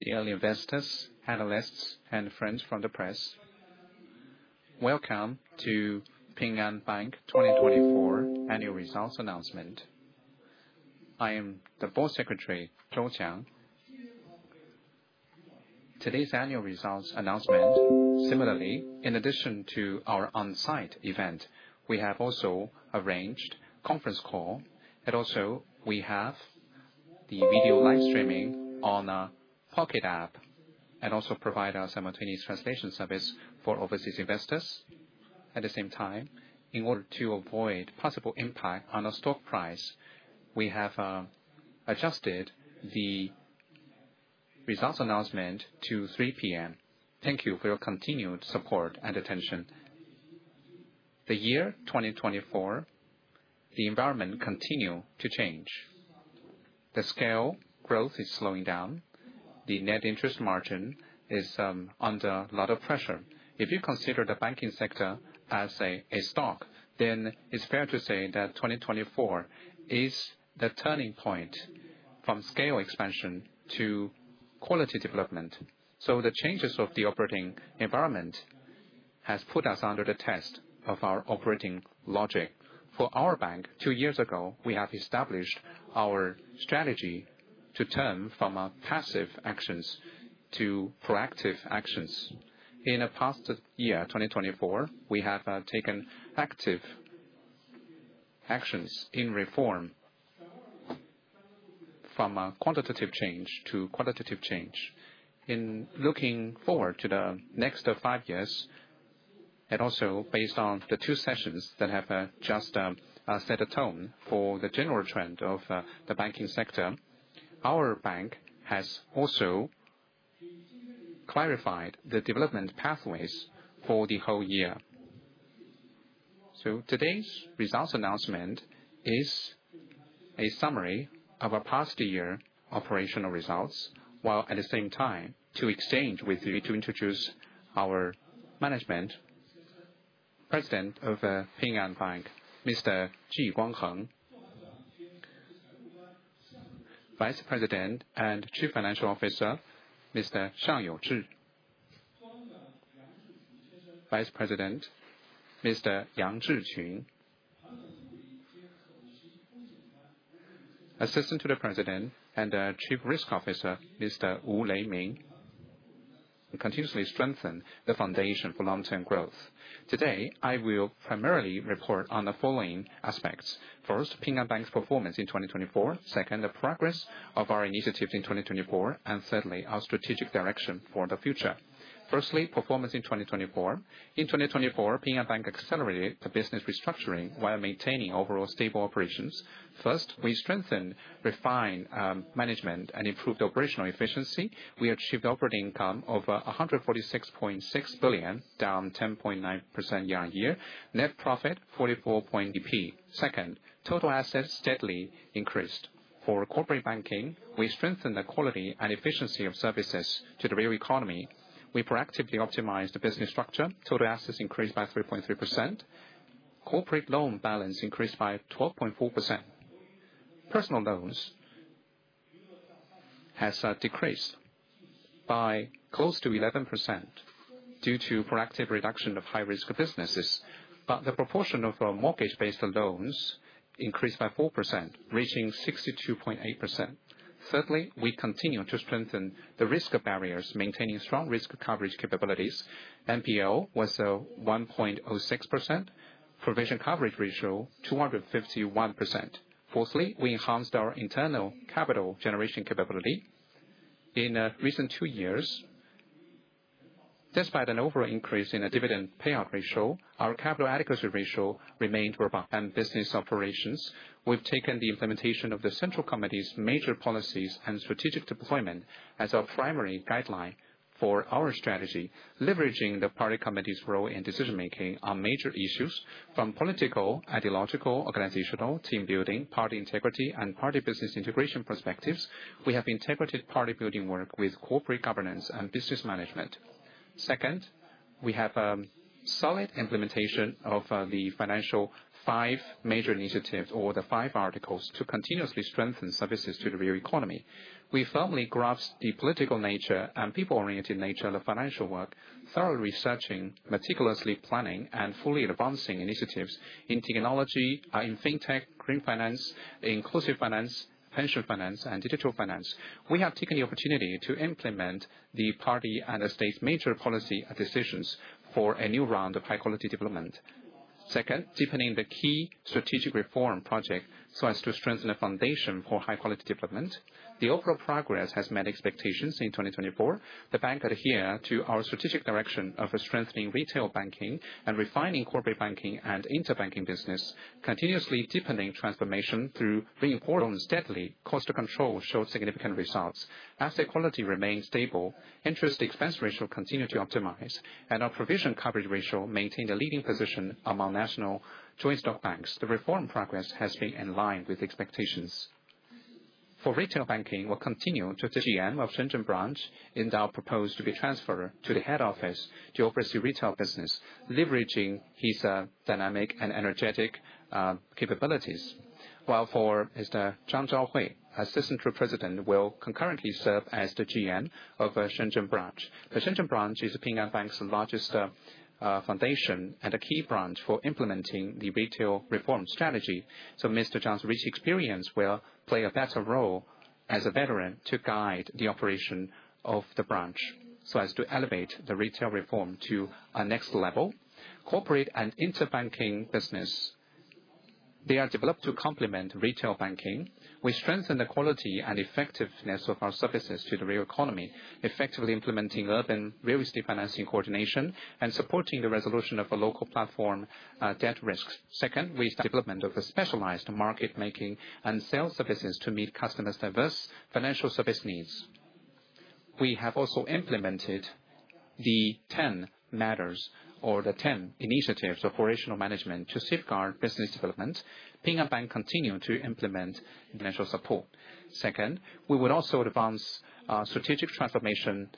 Dear investors, analysts, and friends from the press, welcome to Ping An Bank 2024 Annual Results Announcement. I am the Board Secretary, Zhou Qiang. Today's annual results announcement, similarly, in addition to our on-site event, we have also arranged conference call, and also we have the video live streaming on a pocket app, and also provide a simultaneous translation service for overseas investors. At the same time, in order to avoid possible impact on the stock price, we have adjusted the results announcement to 3:00 P.M. Thank you for your continued support and attention. The year 2024, the environment continues to change. The scale growth is slowing down. The net interest margin is under a lot of pressure. If you consider the banking sector as a stock, then it's fair to say that 2024 is the turning point from scale expansion to quality development. The changes of the operating environment have put us under the test of our operating logic. For our bank, two years ago, we have established our strategy to turn from passive actions to proactive actions. In the past year, 2024, we have taken active actions in reform, from quantitative change to qualitative change. In looking forward to the next five years, and also based on the two sessions that have just set a tone for the general trend of the banking sector, our bank has also clarified the development pathways for the whole year. Today's results announcement is a summary of our past year operational results, while at the same time, to exchange with you, to introduce our management, President of Ping An Bank, Mr. Ji Guangheng, Vice President and Chief Financial Officer, Mr. Xiang Youzhi, Vice President, Mr. Yang Zhiqun, Assistant to the President and Chief Risk Officer, Mr. Wu Leiming, and continuously strengthen the foundation for long-term growth. Today, I will primarily report on the following aspects. First, Ping An Bank's performance in 2024. Second, the progress of our initiatives in 2024. Thirdly, our strategic direction for the future. Firstly, performance in 2024. In 2024, Ping An Bank accelerated the business restructuring while maintaining overall stable operations. First, we strengthened, refined management and improved operational efficiency. We achieved operating income of 146.6 billion, down 10.9% year-on-year. Net profit, 44.8 billion. Second, total assets steadily increased. For corporate banking, we strengthened the quality and efficiency of services to the real economy. We proactively optimized the business structure. Total assets increased by 3.3%. Corporate loan balance increased by 12.4%. Personal loans have decreased by close to 11% due to proactive reduction of high-risk businesses. The proportion of mortgage-based loans increased by 4%, reaching 62.8%. Thirdly, we continue to strengthen the risk of barriers, maintaining strong risk coverage capabilities. NPL was 1.06%. Provision coverage ratio, 251%. Fourthly, we enhanced our internal capital generation capability. In recent two years, despite an overall increase in the dividend payout ratio, our capital adequacy ratio remained above average. Business operations, we've taken the implementation of the central committee's major policies and strategic deployment as our primary guideline for our strategy, leveraging the party committee's role in decision-making on major issues from political, ideological, organizational, team building, party integrity, and party business integration perspectives. We have integrated party building work with corporate governance and business management. Second, we have a solid implementation of the financial five major initiatives or the five articles to continuously strengthen services to the real economy. We firmly grasp the political nature and people-oriented nature of the financial work, thoroughly researching, meticulously planning, and fully advancing initiatives in technology, in fintech, green finance, inclusive finance, pension finance, and digital finance. We have taken the opportunity to implement the party and state's major policy decisions for a new round of high-quality development. Second, deepening the key strategic reform project so as to strengthen the foundation for high-quality development. The overall progress has met expectations in 2024. The bank adheres to our strategic direction of strengthening retail banking and refining corporate banking and interbanking business, continuously deepening transformation through reinforcing. Loans steadily, cost control showed significant results. Asset quality remained stable. Interest expense ratio continued to optimize, and our provision coverage ratio maintained a leading position among national joint stock banks. The reform progress has been in line with expectations. For retail banking, we'll continue to. Qiang of Shenzhen branch is proposed to be transferred to the head office to oversee retail business, leveraging his dynamic and energetic capabilities. For Mr. Zhang Zhaohui, Assistant to President, he will concurrently serve as the General Manager of Shenzhen branch. The Shenzhen branch is Ping An Bank's largest foundation and a key branch for implementing the retail reform strategy. Mr. Zhang's rich experience will play a better role as a veteran to guide the operation of the branch so as to elevate the retail reform to a next level. Corporate and interbanking business, they are developed to complement retail banking. We strengthen the quality and effectiveness of our services to the real economy, effectively implementing urban real estate financing coordination and supporting the resolution of a local platform debt risk. Second, we develop specialized market-making and sales services to meet customers' diverse financial service needs. We have also implemented the 10 matters or the 10 initiatives of operational management to safeguard business development. Ping An Bank continues to implement financial support. Second, we would also advance strategic transformation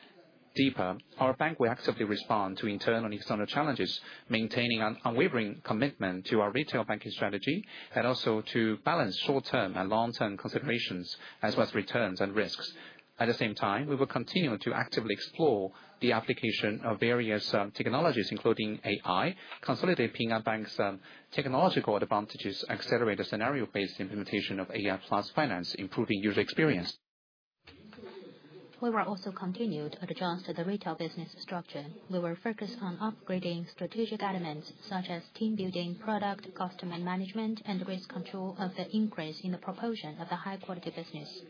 deeper. Our bank will actively respond to internal and external challenges, maintaining an unwavering commitment to our retail banking strategy and also to balance short-term and long-term considerations as well as returns and risks. At the same time, we will continue to actively explore the application of various technologies, including AI, consolidating our bank's technological advantages, accelerate a scenario-based implementation of AI plus finance, improving user experience. We will also continue to adjust the retail business structure. We will focus on upgrading strategic elements such as team building, product customer management, and risk control of the increase in the proportion of the high-quality business.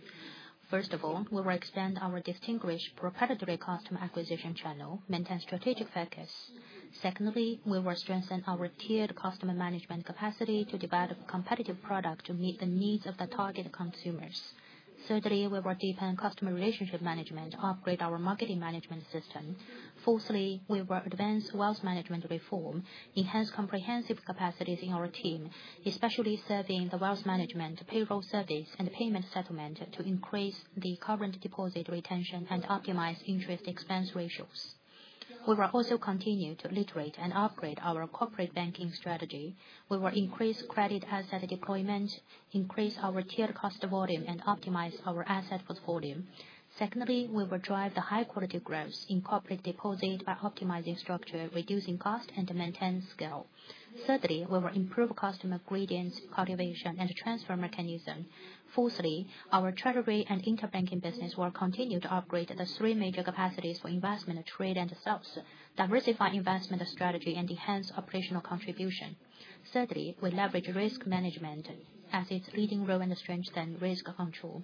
First of all, we will extend our distinguished proprietary customer acquisition channel, maintain strategic focus. Secondly, we will strengthen our tiered customer management capacity to develop competitive products to meet the needs of the target consumers. Thirdly, we will deepen customer relationship management, upgrade our marketing management system. Fourthly, we will advance wealth management reform, enhance comprehensive capacities in our team, especially serving the wealth management, payroll service, and payment settlement to increase the current deposit retention and optimize interest expense ratios. We will also continue to iterate and upgrade our corporate banking strategy. We will increase credit asset deployment, increase our tiered cost volume, and optimize our asset portfolio. Secondly, we will drive the high-quality growth in corporate deposit by optimizing structure, reducing cost, and maintaining scale. Thirdly, we will improve customer gradients, cultivation, and transfer mechanism. Fourthly, our treasury and interbanking business will continue to upgrade the three major capacities for investment, trade, and sales, diversify investment strategy, and enhance operational contribution. Thirdly, we leverage risk management as its leading role in strengthening risk control.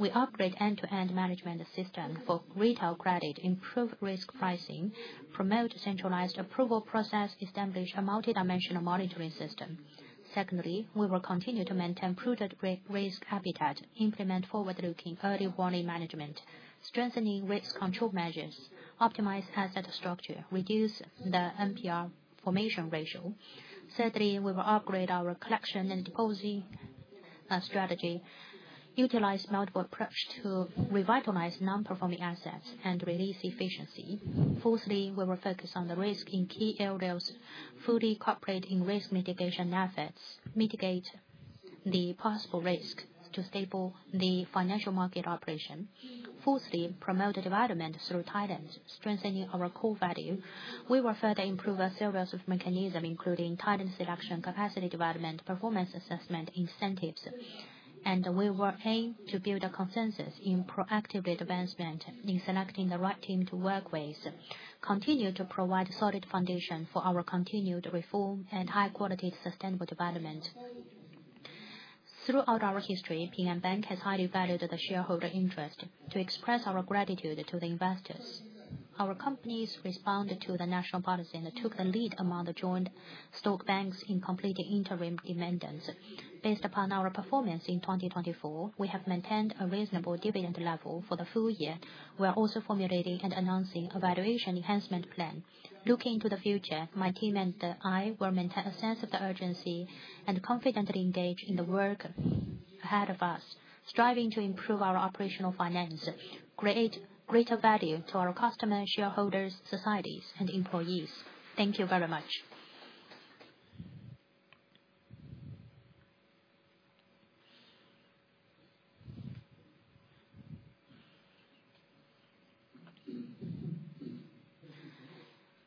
We upgrade end-to-end management system for retail credit, improve risk pricing, promote centralized approval process, establish a multidimensional monitoring system. Secondly, we will continue to maintain prudent risk habitat, implement forward-looking early warning management, strengthening risk control measures, optimize asset structure, reduce the MPR formation ratio. Thirdly, we will upgrade our collection and deposit strategy, utilize multiple approaches to revitalize non-performing assets and release efficiency. Fourthly, we will focus on the risk in key areas, fully cooperate in risk mitigation efforts, mitigate the possible risk to stable the financial market operation. Fifthly, promote development through talent, strengthening our core value. We will further improve our sales mechanism, including talent selection, capacity development, performance assessment, incentives, and we will aim to build a consensus in proactive advancement in selecting the right team to work with, continue to provide a solid foundation for our continued reform and high-quality sustainable development. Throughout our history, Ping An Bank has highly valued the shareholder interest. To express our gratitude to the investors, our companies responded to the national policy and took the lead among the joint stock banks in completing interim demands. Based upon our performance in 2024, we have maintained a reasonable dividend level for the full year. We are also formulating and announcing a valuation enhancement plan. Looking into the future, my team and I will maintain a sense of the urgency and confidently engage in the work ahead of us, striving to improve our operational finance, create greater value to our customers, shareholders, societies, and employees. Thank you very much.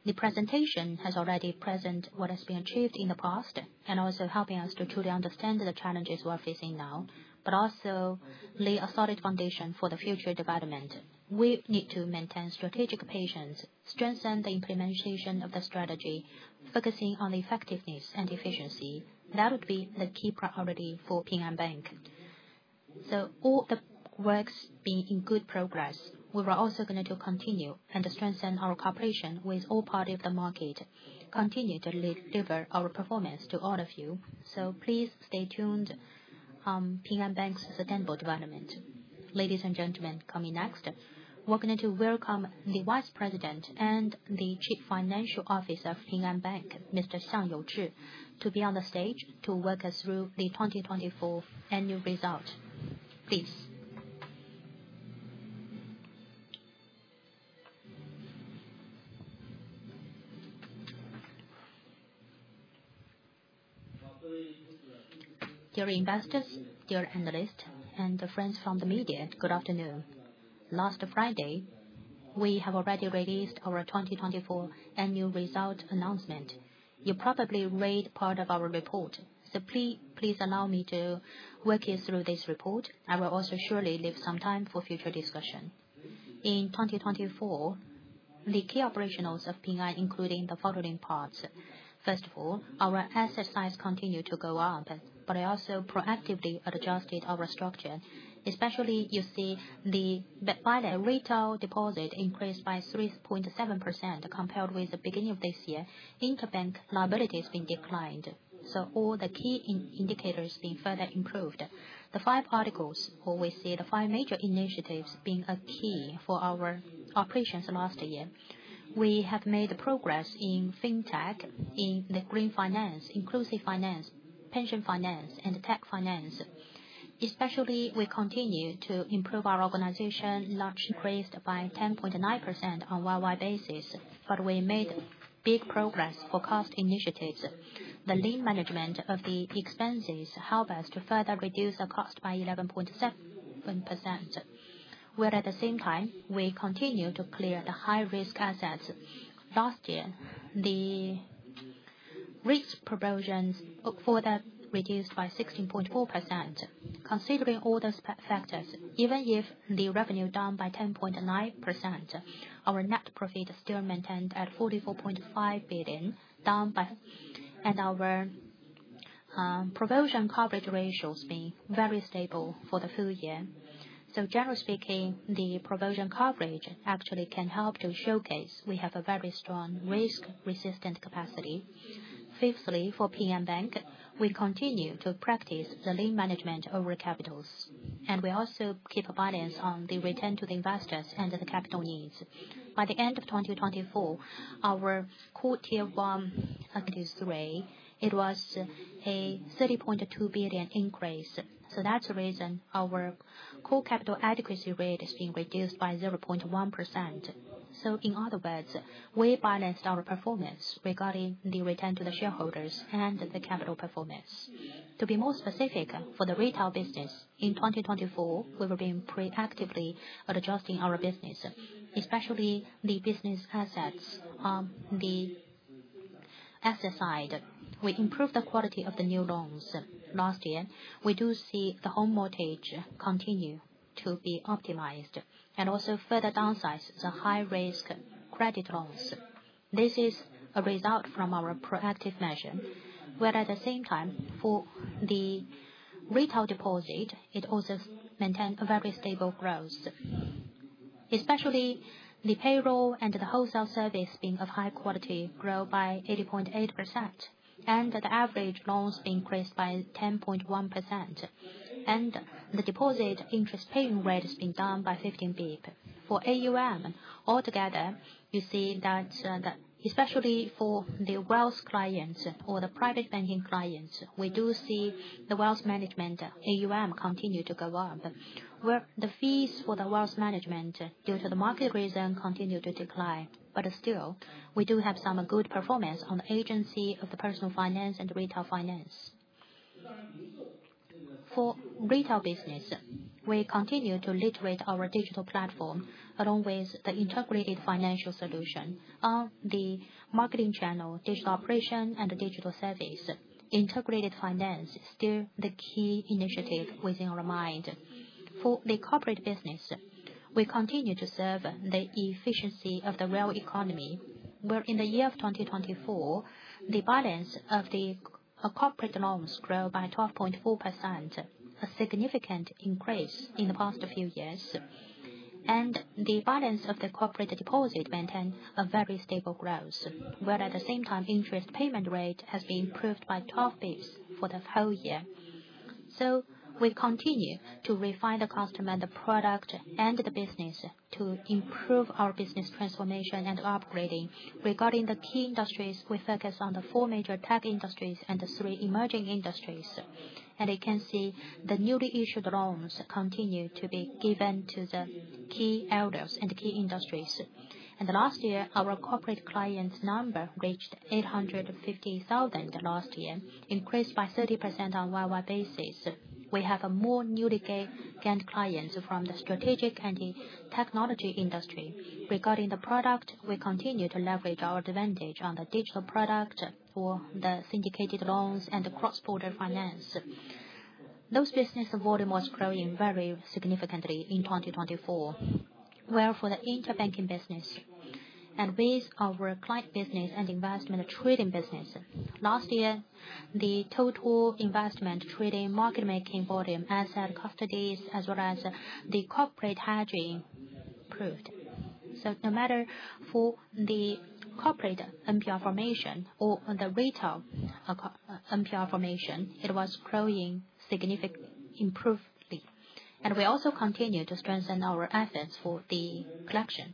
The presentation has already presented what has been achieved in the past and also helping us to truly understand the challenges we are facing now, but also lay a solid foundation for the future development. We need to maintain strategic patience, strengthen the implementation of the strategy, focusing on the effectiveness and efficiency. That would be the key priority for Ping An Bank. All the work's been in good progress. We are also going to continue and strengthen our cooperation with all parties of the market, continue to deliver our performance to all of you. Please stay tuned on Ping An Bank's sustainable development. Ladies and gentlemen, coming next, we're going to welcome the Vice President and the Chief Financial Officer of Ping An Bank, Mr.Xiang Youzhi, to be on the stage to walk us through the 2024 annual result. Please. Dear investors, dear analysts, and friends from the media, good afternoon. Last Friday, we have already released our 2024 annual result announcement. You probably read part of our report. Please allow me to walk you through this report. I will also surely leave some time for future discussion. In 2024, the key operationals of Ping An, including the following parts. First of all, our asset size continued to go up, but I also proactively adjusted our structure, especially you see the bilateral retail deposit increased by 3.7% compared with the beginning of this year. Interbank liability has been declined. All the key indicators have been further improved. The five articles or we see the five major initiatives being a key for our operations last year. We have made progress in fintech, in the green finance, inclusive finance, pension finance, and tech finance. Especially, we continue to improve our organization largely. Increased by 10.9% on a worldwide basis, but we made big progress for cost initiatives. The lean management of the expenses helped us to further reduce the cost by 11.7%. While at the same time, we continue to clear the high-risk assets. Last year, the risk proportions further reduced by 16.4%. Considering all those factors, even if the revenue down by 10.9%, our net profit still maintained at 44.5 billion, down by. Our provision coverage ratios being very stable for the full year. Generally speaking, the provision coverage actually can help to showcase we have a very strong risk-resistant capacity. Fifthly, for Ping An Bank, we continue to practice the lean management over capitals, and we also keep a balance on the return to the investors and the capital needs. By the end of 2024, our core tier one. In 2023, it was a 30.2 billion increase. That's the reason our core capital adequacy rate has been reduced by 0.1%. In other words, we balanced our performance regarding the return to the shareholders and the capital performance. To be more specific, for the retail business, in 2024, we were being proactively adjusting our business, especially the business assets. On the asset side, we improved the quality of the new loans. Last year, we do see the home mortgage continue to be optimized and also further downsize the high-risk credit loans. This is a result from our proactive measure. While at the same time, for the retail deposit, it also maintained a very stable growth, especially the payroll and the wholesale service being of high quality, grow by 80.8%, and the average loans increased by 10.1%, and the deposit interest paying rate has been down by 15 basis points. For AUM, altogether, you see that especially for the wealth clients or the private banking clients, we do see the wealth management AUM continue to go up. The fees for the wealth management due to the market reason continue to decline, but still, we do have some good performance on the agency of the personal finance and retail finance. For retail business, we continue to iterate our digital platform along with the integrated financial solution on the marketing channel, digital operation, and digital service. Integrated finance is still the key initiative within our mind. For the corporate business, we continue to serve the efficiency of the real economy. While in the year of 2024, the balance of the corporate loans grew by 12.4%, a significant increase in the past few years, and the balance of the corporate deposit maintained a very stable growth. At the same time, interest payment rate has been improved by 12 basis points for the whole year. We continue to refine the customer and the product and the business to improve our business transformation and upgrading regarding the key industries. We focus on the four major tech industries and the three emerging industries, and you can see the newly issued loans continue to be given to the key elders and key industries. Last year, our corporate client number reached 850,000 last year, increased by 30% on a worldwide basis. We have more newly gained clients from the strategic and the technology industry. Regarding the product, we continue to leverage our advantage on the digital product for the syndicated loans and the cross-border finance. Those business volume was growing very significantly in 2024. While for the interbanking business and with our client business and investment trading business, last year, the total investment trading market-making volume asset custodies as well as the corporate hedging improved. No matter for the corporate MPR formation or the retail MPR formation, it was growing significantly improvedly. We also continue to strengthen our efforts for the collection.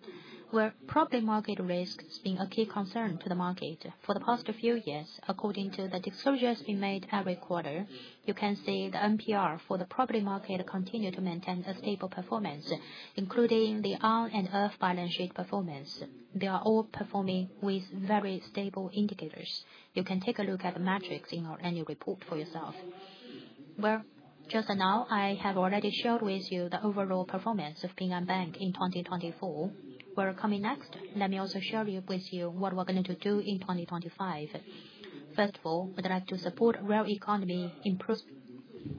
While property market risk has been a key concern to the market for the past few years, according to the disclosures being made every quarter, you can see the MPR for the property market continued to maintain a stable performance, including the on-and-off balance sheet performance. They are all performing with very stable indicators. You can take a look at the metrics in our annual report for yourself. I have already shared with you the overall performance of Ping An Bank in 2024. Coming next, let me also share with you what we're going to do in 2025. First of all, we'd like to support real economy improvement.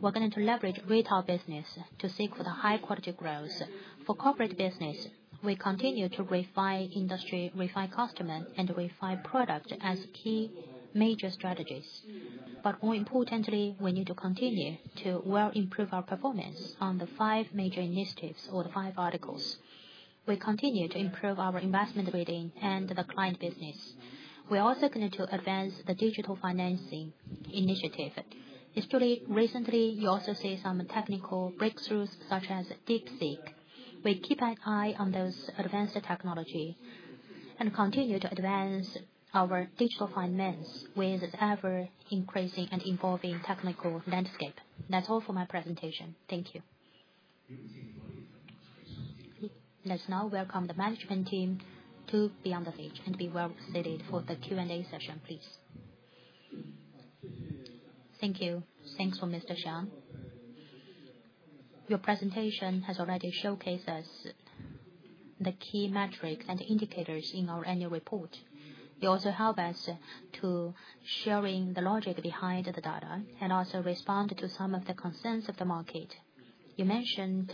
We're going to leverage retail business to seek for the high-quality growth. For corporate business, we continue to refine industry, refine customer, and refine product as key major strategies. More importantly, we need to continue to well improve our performance on the five major initiatives or the five articles. We continue to improve our investment rating and the client business. We're also going to advance the digital financing initiative. Recently, you also see some technical breakthroughs such as DeepSeek. We keep an eye on those advanced technology and continue to advance our digital finance with ever-increasing and evolving technical landscape. That's all for my presentation. Thank you. Let's now welcome the management team to be on the stage and be well seated for the Q&A session, please. Thank you. Thanks for Mr. Xiang. Your presentation has already showcased us the key metrics and indicators in our annual report. You also help us to share the logic behind the data and also respond to some of the concerns of the market. You mentioned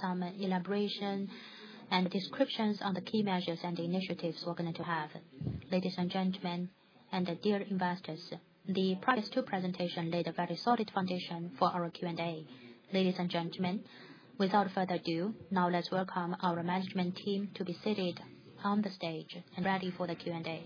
some elaboration and descriptions on the key measures and initiatives we're going to have. Ladies and gentlemen, and dear investors, the previous two presentations laid a very solid foundation for our Q&A. Ladies and gentlemen, without further ado, now let's welcome our management team to be seated on the stage and ready for the Q&A.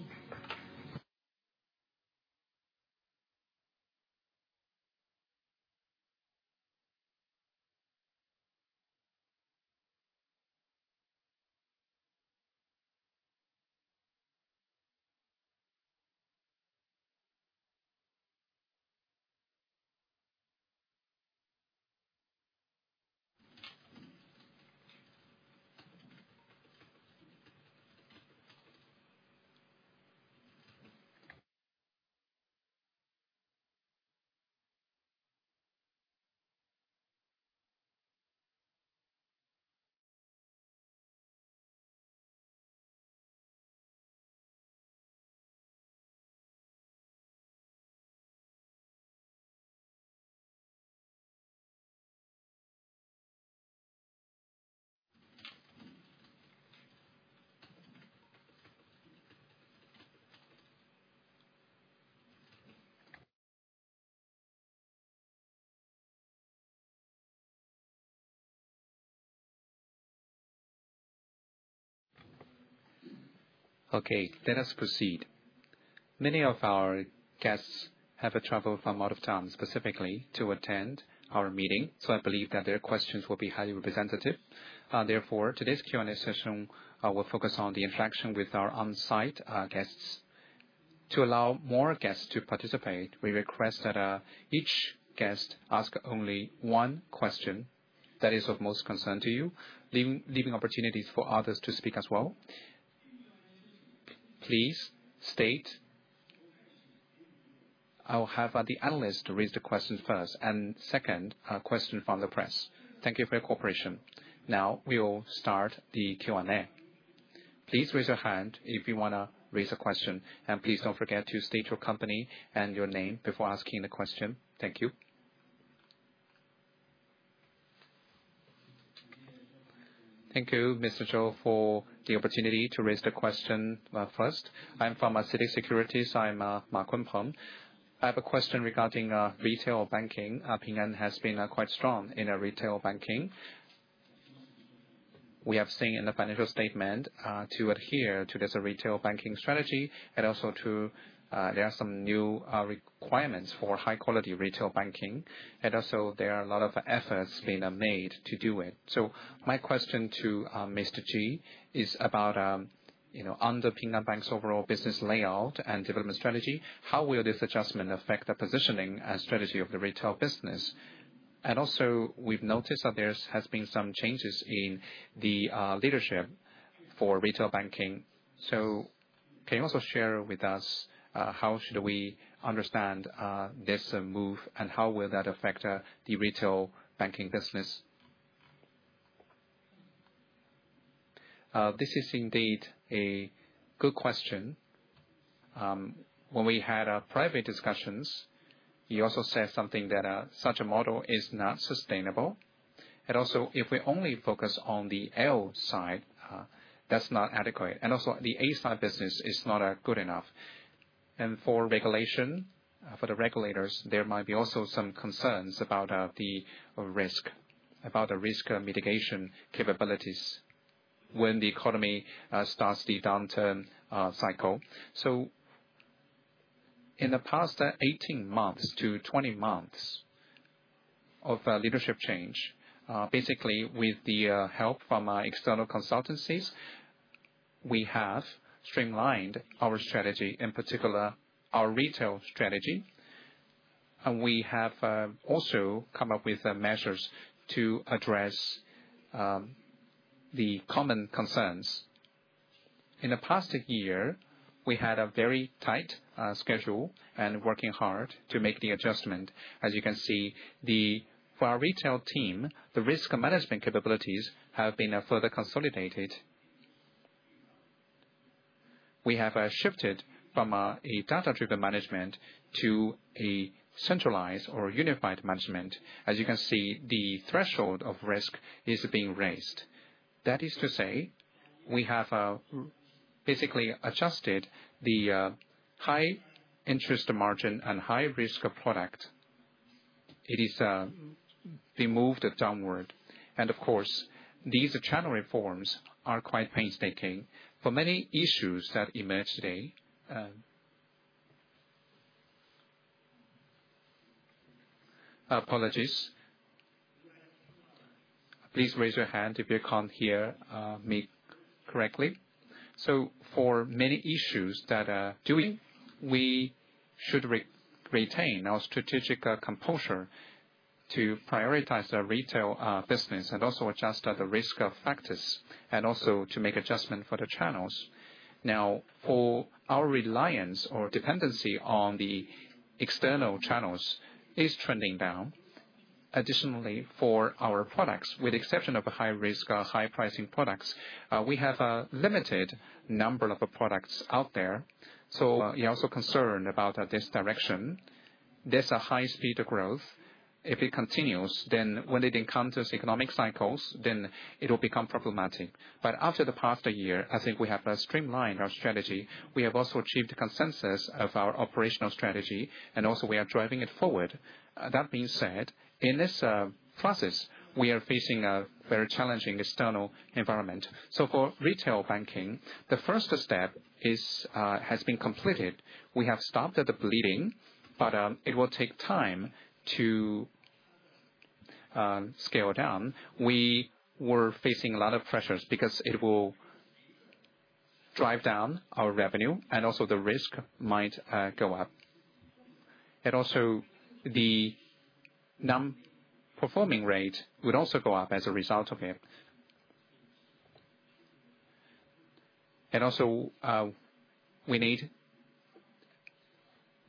Okay, let us proceed. Many of our guests have traveled from out of town specifically to attend our meeting, so I believe that their questions will be highly representative. Therefore, today's Q&A session will focus on the interaction with our on-site guests. To allow more guests to participate, we request that each guest ask only one question that is of most concern to you, leaving opportunities for others to speak as well. Please state. I'll have the analyst raise the question first, and second, a question from the press. Thank you for your cooperation. Now, we'll start the Q&A. Please raise your hand if you want to raise a question, and please don't forget to state your company and your name before asking the question. Thank you. Thank you, Mr. Zhou, for the opportunity to raise the question first. I'm from Citi Securities, I'm Mark Wenpeng. I have a question regarding retail banking. Ping An has been quite strong in retail banking. We have seen in the financial statement to adhere to this retail banking strategy, and also there are some new requirements for high-quality retail banking, and also there are a lot of efforts being made to do it. My question to Mr. Ji is about under Ping An Bank's overall business layout and development strategy. How will this adjustment affect the positioning and strategy of the retail business? We have noticed that there have been some changes in the leadership for retail banking. Can you also share with us how should we understand this move, and how will that affect the retail banking business? This is indeed a good question. When we had private discussions, you also said something that such a model is not sustainable. If we only focus on the L side, that's not adequate. Also, the A side business is not good enough. For regulation, for the regulators, there might be some concerns about the risk, about the risk mitigation capabilities when the economy starts the downturn cycle. In the past 18-20 months of leadership change, basically with the help from our external consultancies, we have streamlined our strategy, in particular our retail strategy. We have also come up with measures to address the common concerns. In the past year, we had a very tight schedule and were working hard to make the adjustment. As you can see, for our retail team, the risk management capabilities have been further consolidated. We have shifted from a data-driven management to a centralized or unified management. As you can see, the threshold of risk is being raised. That is to say, we have basically adjusted the high-interest margin and high-risk product. It is being moved downward. Of course, these channel reforms are quite painstaking. For many issues that emerge today, apologies. Please raise your hand if you can't hear me correctly. For many issues that are doing, we should retain our strategic composure to prioritize the retail business and also adjust the risk factors and also to make adjustments for the channels. Now, for our reliance or dependency on the external channels, it is trending down. Additionally, for our products, with the exception of high-risk, high-pricing products, we have a limited number of products out there. You are also concerned about this direction. There is a high speed of growth. If it continues, then when it encounters economic cycles, it will become problematic. After the past year, I think we have streamlined our strategy. We have also achieved consensus of our operational strategy, and also we are driving it forward. That being said, in this process, we are facing a very challenging external environment. For retail banking, the first step has been completed. We have stopped the bleeding, but it will take time to scale down. We were facing a lot of pressures because it will drive down our revenue, and also the risk might go up. The non-performing rate would also go up as a result of it. We need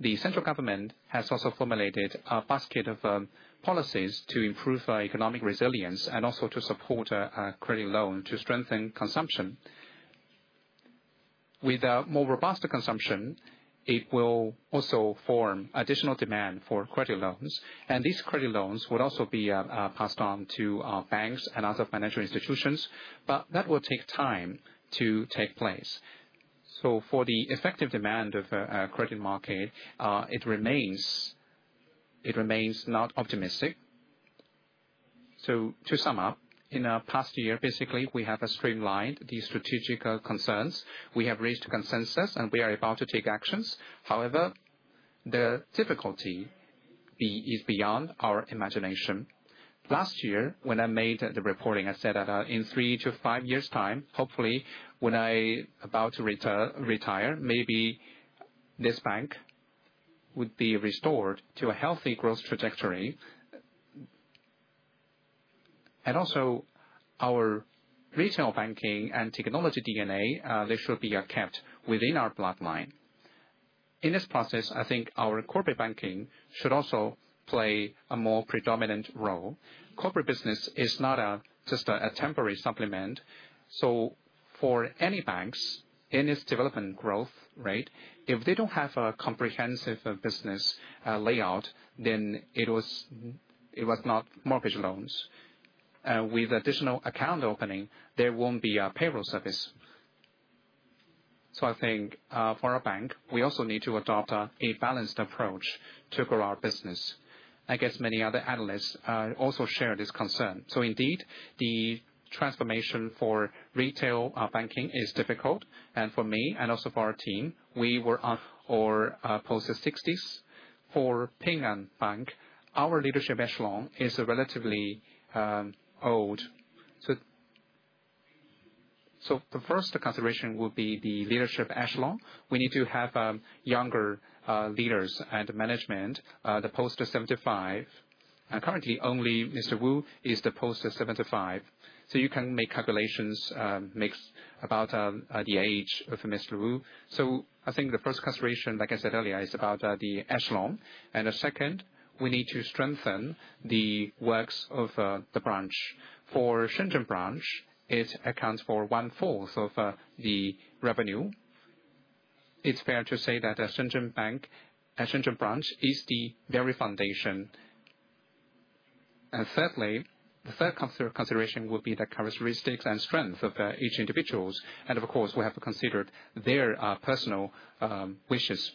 the central government has also formulated a basket of policies to improve economic resilience and also to support credit loans to strengthen consumption. With more robust consumption, it will also form additional demand for credit loans. These credit loans would also be passed on to banks and other financial institutions, but that will take time to take place. For the effective demand of the credit market, it remains not optimistic. To sum up, in the past year, basically, we have streamlined these strategic concerns. We have reached consensus, and we are about to take actions. However, the difficulty is beyond our imagination. Last year, when I made the reporting, I said that in three to five years' time, hopefully, when I'm about to retire, maybe this bank would be restored to a healthy growth trajectory. Also, our retail banking and technology DNA, they should be kept within our bloodline. In this process, I think our corporate banking should also play a more predominant role. Corporate business is not just a temporary supplement. For any banks, in its development growth rate, if they don't have a comprehensive business layout, then it was not. Mortgage loans. With additional account opening, there won't be a payroll service. I think for our bank, we also need to adopt a balanced approach to grow our business. I guess many other analysts also share this concern. Indeed, the transformation for retail banking is difficult. For me, and also for our team, we were in our post-60s. For Ping An Bank, our leadership echelon is relatively old. The first consideration would be the leadership echelon. We need to have younger leaders and management, the post-75. Currently, only Mr. Wu is the post-75. You can make calculations, make about the age of Mr. Wu. I think the first consideration, like I said earlier, is about the echelon. The second, we need to strengthen the works of the branch. For Shenzhen branch, it accounts for one-fourth of the revenue. It's fair to say that Shenzhen branch is the very foundation. Thirdly, the third consideration would be the characteristics and strengths of each individual. Of course, we have to consider their personal wishes.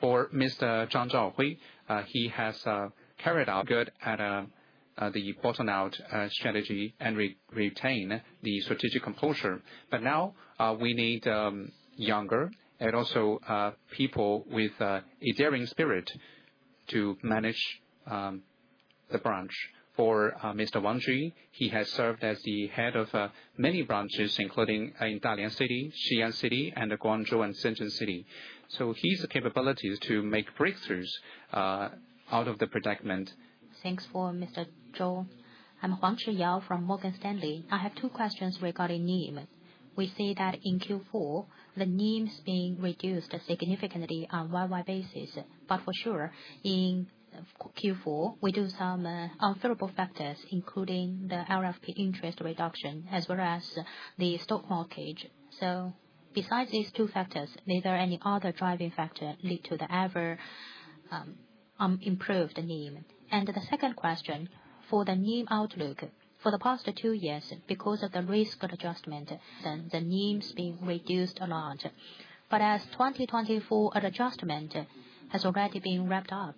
For Mr. Zhang Zhaohui, he has carried out good at the bottom-out strategy and retained the strategic composure. Now, we need younger and also people with a daring spirit to manage the branch. For Mr. Guang Ji, he has served as the head of many branches, including in Dalian City, Xi'an City, and Guangzhou and Shenzhen City. He has the capabilities to make breakthroughs out of the predicament. Thanks for Mr. Zhou. I'm Huang Chiyao from Morgan Stanley. I have two questions regarding NIM. We see that in Q4, the NIM's been reduced significantly on a year-over-year basis. For sure, in Q4, we do have some unfavorable factors, including the LPR interest reduction as well as the stock market. Besides these two factors, are there any other driving factors that lead to the ever-improved NIM? The second question, for the NIM outlook, for the past two years, because of the risk adjustment, the NIM's been reduced a lot. As 2024 adjustment has already been wrapped up,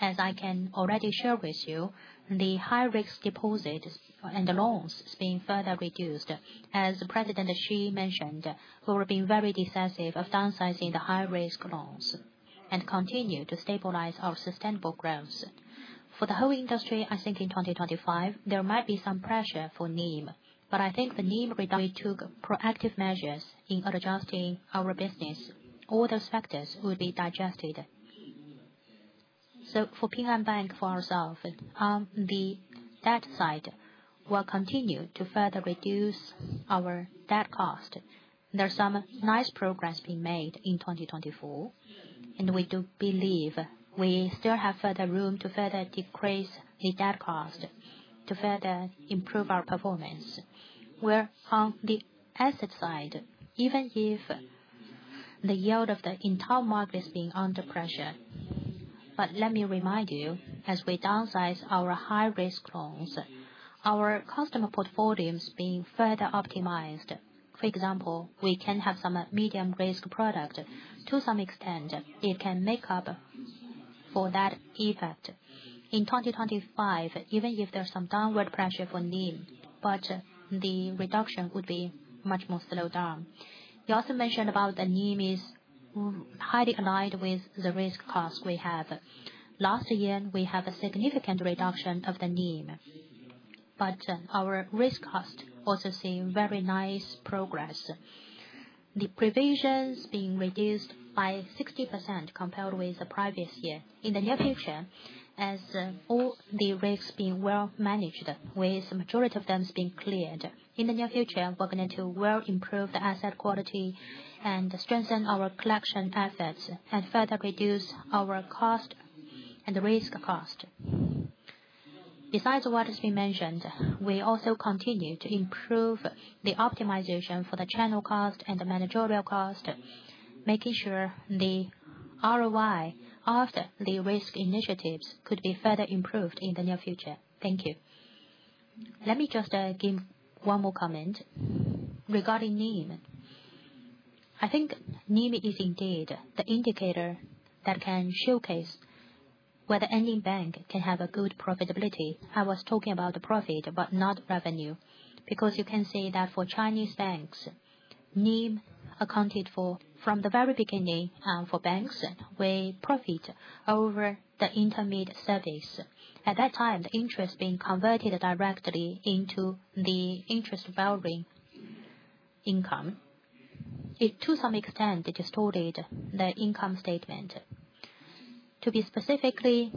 as I can already share with you, the high-risk deposits and the loans have been further reduced. As President Ji mentioned, we were being very decisive of downsizing the high-risk loans and continue to stabilize our sustainable growth. For the whole industry, I think in 2025, there might be some pressure for NIM. I think the NIM, we took proactive measures in adjusting our business. All those factors would be digested. For Ping An Bank for ourselves, on the debt side, we'll continue to further reduce our debt cost. There are some nice progress being made in 2024, and we do believe we still have further room to further decrease the debt cost to further improve our performance. Where on the asset side, even if the yield of the entire market is being under pressure, let me remind you, as we downsize our high-risk loans, our customer portfolios are being further optimized. For example, we can have some medium-risk product. To some extent, it can make up for that effect. In 2025, even if there's some downward pressure for NIM, the reduction would be much more slowed down. You also mentioned about the NIM is highly aligned with the risk cost we have. Last year, we had a significant reduction of the NIM, but our risk cost also sees very nice progress. The provisions being reduced by 60% compared with the previous year. In the near future, as all the risks being well managed, with the majority of them being cleared, in the near future, we're going to well improve the asset quality and strengthen our collection efforts and further reduce our cost and risk cost. Besides what has been mentioned, we also continue to improve the optimization for the channel cost and the managerial cost, making sure the ROI of the risk initiatives could be further improved in the near future. Thank you. Let me just give one more comment regarding NIM. I think NIM is indeed the indicator that can showcase whether any bank can have a good profitability. I was talking about the profit, but not revenue, because you can see that for Chinese banks, NIM accounted for from the very beginning for banks with profit over the intermediate service. At that time, the interest being converted directly into the interest-bearing income. To some extent, it distorted the income statement. To be specifically,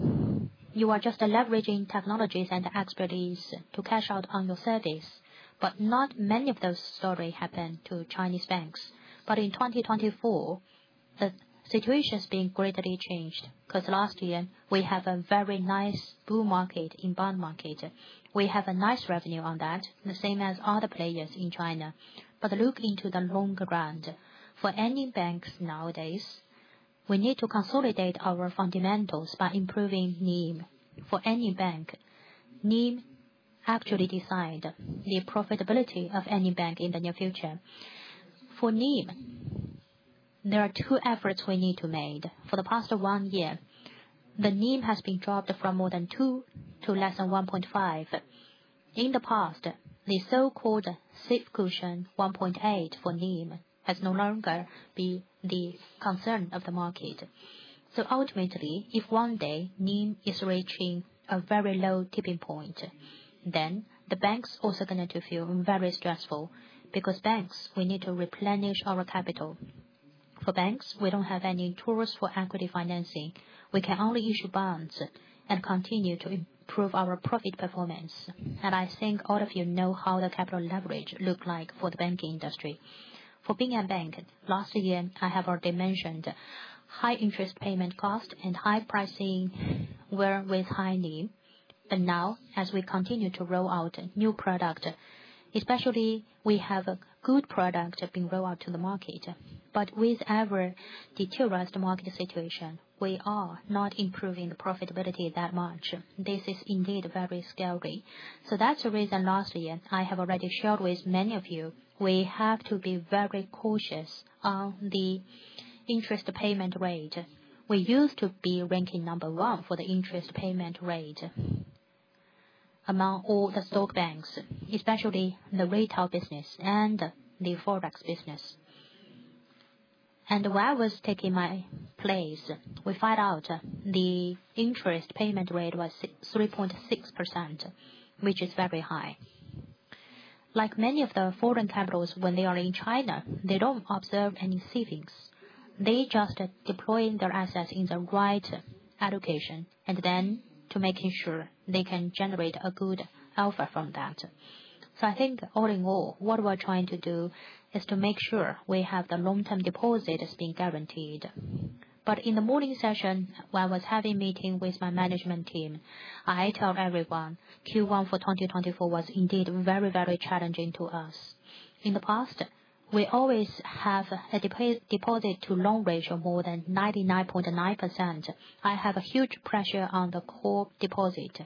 you are just leveraging technologies and expertise to cash out on your service, but not many of those stories happen to Chinese banks. In 2024, the situation's been greatly changed because last year, we had a very nice bull market in bond market. We have a nice revenue on that, the same as other players in China. Look into the longer run. For any banks nowadays, we need to consolidate our fundamentals by improving NIM for any bank. NIM actually decides the profitability of any bank in the near future. For NIM, there are two efforts we need to make. For the past one year, the NIM has been dropped from more than 2 to less than 1.5. In the past, the so-called safe cushion 1.8 for NIM has no longer been the concern of the market. Ultimately, if one day NIM is reaching a very low tipping point, the banks are also going to feel very stressful because banks, we need to replenish our capital. For banks, we do not have any tools for equity financing. We can only issue bonds and continue to improve our profit performance. I think all of you know how the capital leverage looks like for the banking industry. For Ping An Bank, last year, I have already mentioned high-interest payment cost and high pricing with high NIM. Now, as we continue to roll out new products, especially we have good products being rolled out to the market, but with ever deteriorating market situation, we are not improving the profitability that much. This is indeed very scary. That is the reason last year I have already shared with many of you. We have to be very cautious on the interest payment rate. We used to be ranking number one for the interest payment rate among all the stock banks, especially the retail business and the forex business. While I was taking my place, we found out the interest payment rate was 3.6%, which is very high. Like many of the foreign capitals, when they are in China, they do not observe any savings. They just deploy their assets in the right allocation and then to make sure they can generate a good alpha from that. I think all in all, what we're trying to do is to make sure we have the long-term deposit being guaranteed. In the morning session, when I was having a meeting with my management team, I told everyone Q1 for 2024 was indeed very, very challenging to us. In the past, we always have a deposit-to-loan ratio of more than 99.9%. I have a huge pressure on the core deposit.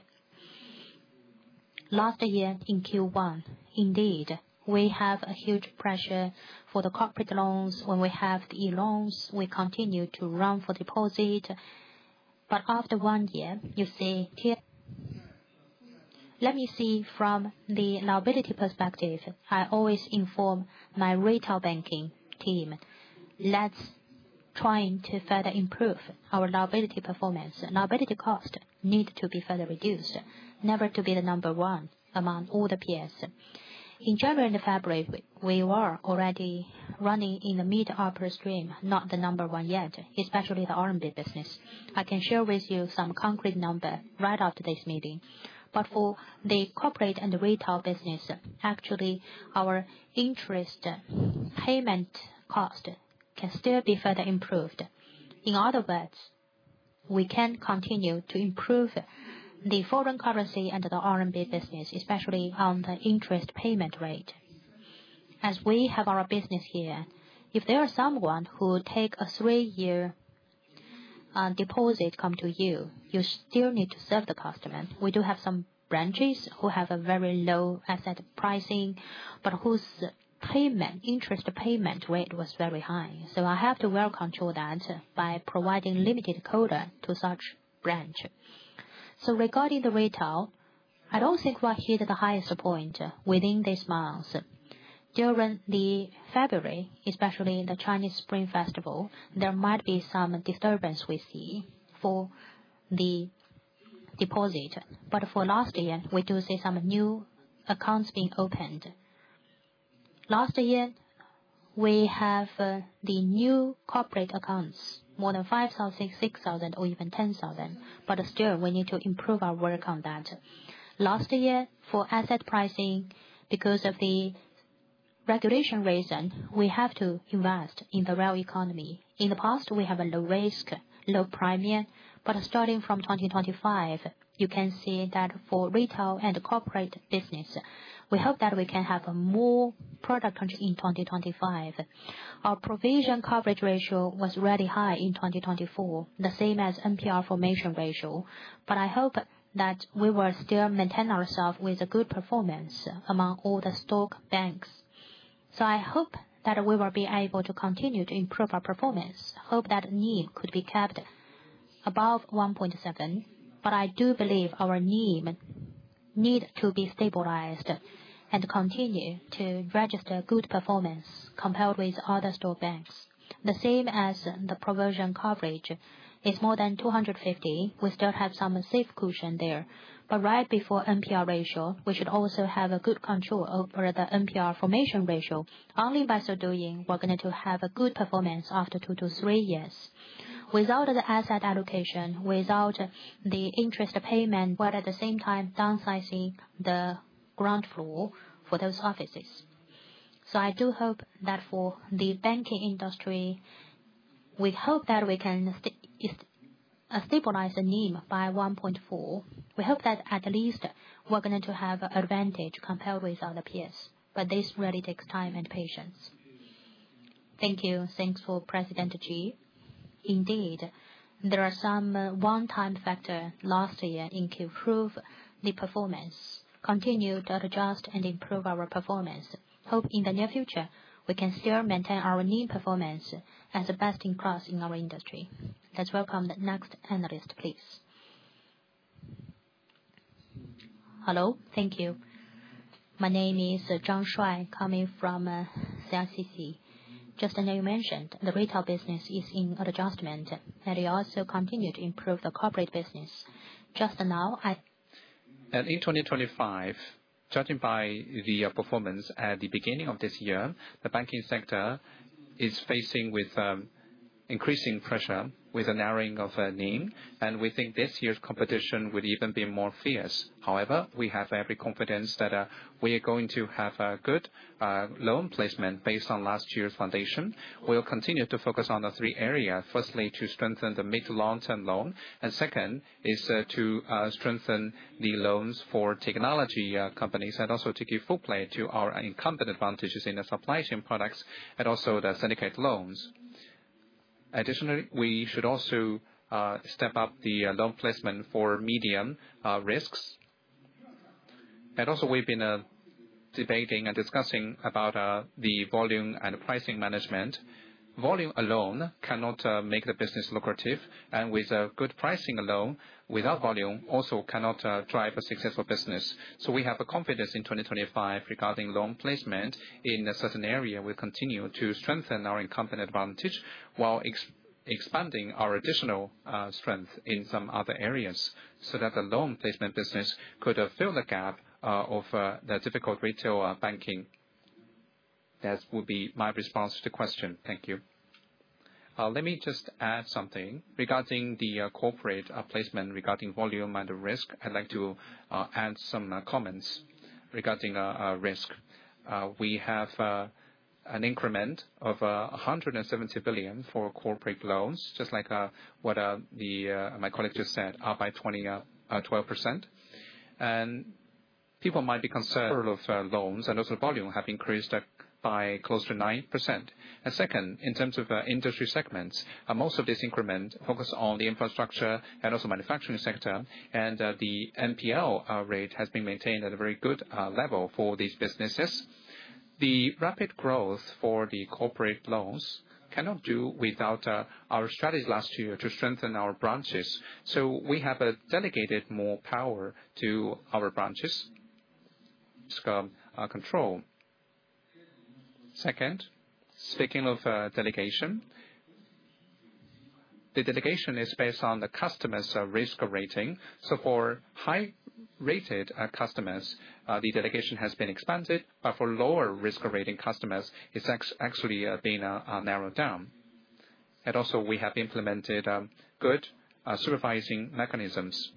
Last year in Q1, indeed, we have a huge pressure for the corporate loans. When we have the e-loans, we continue to run for deposit. After one year, you see let me see from the liability perspective. I always inform my retail banking team, "Let's try to further improve our liability performance." Liability cost needs to be further reduced, never to be the number one among all the peers. In January and February, we were already running in the mid-upper stream, not the number one yet, especially the RMB business. I can share with you some concrete numbers right after this meeting. For the corporate and retail business, actually, our interest payment cost can still be further improved. In other words, we can continue to improve the foreign currency and the RMB business, especially on the interest payment rate. As we have our business here, if there is someone who takes a three-year deposit to come to you, you still need to serve the customer. We do have some branches who have a very low asset pricing, but whose interest payment rate was very high. I have to well control that by providing limited code to such branch. Regarding the retail, I don't think we'll hit the highest point within this month. During February, especially the Chinese Spring Festival, there might be some disturbance we see for the deposit. For last year, we do see some new accounts being opened. Last year, we have the new corporate accounts, more than 5,000, 6,000, or even 10,000. Still, we need to improve our work on that. Last year, for asset pricing, because of the regulation reason, we have to invest in the real economy. In the past, we had a low risk, low premier. Starting from 2025, you can see that for retail and corporate business, we hope that we can have more product in 2025. Our provision coverage ratio was really high in 2024, the same as MPR formation ratio. I hope that we will still maintain ourselves with a good performance among all the stock banks. I hope that we will be able to continue to improve our performance. Hope that NIM could be kept above 1.7. I do believe our NIM needs to be stabilized and continue to register good performance compared with other stock banks. The same as the provision coverage, it's more than 250. We still have some safe cushion there. Right before MPR ratio, we should also have good control over the MPR formation ratio. Only by so doing, we're going to have good performance after two to three years. Without the asset allocation, without the interest payment. At the same time downsizing the ground floor for those offices. I do hope that for the banking industry, we hope that we can stabilize the NIM by 1.4. We hope that at least we're going to have an advantage compared with other peers. But this really takes time and patience. Thank you. Thanks for President Ji. Indeed, there are some one-time factors last year in Q2 to improve the performance, continue to adjust and improve our performance. Hope in the near future, we can still maintain our NIM performance as the best in class in our industry. Let's welcome the next analyst, please. Hello. Thank you. My name is Zhang Shuai, coming from CICC. Just as you mentioned, the retail business is in adjustment, and they also continue to improve the corporate business? And in 2025, judging by the performance at the beginning of this year, the banking sector is facing increasing pressure with the narrowing of NIM. And we think this year's competition will even be more fierce. However, we have every confidence that we are going to have a good loan placement based on last year's foundation. We will continue to focus on the three areas. Firstly, to strengthen the mid- and long-term loan. Second, is to strengthen the loans for technology companies and also to give full play to our incumbent advantages in the supply chain products and also the syndicate loans. Additionally, we should also step up the loan placement for medium risks. Also, we have been debating and discussing about the volume and pricing management. Volume alone cannot make the business lucrative. With good pricing alone, without volume, also cannot drive a successful business. We have confidence in 2025 regarding loan placement in a certain area. We'll continue to strengthen our incumbent advantage while expanding our additional strength in some other areas so that the loan placement business could fill the gap of the difficult retail banking. That would be my response to the question. Thank you. Let me just add something regarding the corporate placement regarding volume and the risk. I'd like to add some comments regarding risk. We have an increment of 170 billion for corporate loans, just like what my colleague just said, up by 12%. People might be concerned of loans and also volume have increased by close to 9%. Second, in terms of industry segments, most of this increment focused on the infrastructure and also manufacturing sector. The NPL rate has been maintained at a very good level for these businesses. The rapid growth for the corporate loans cannot do without our strategy last year to strengthen our branches. We have delegated more power to our branches. Risk control. Second, speaking of delegation, the delegation is based on the customer's risk rating. For high-rated customers, the delegation has been expanded. For lower risk-rating customers, it has actually been narrowed down. We have implemented good supervising mechanisms.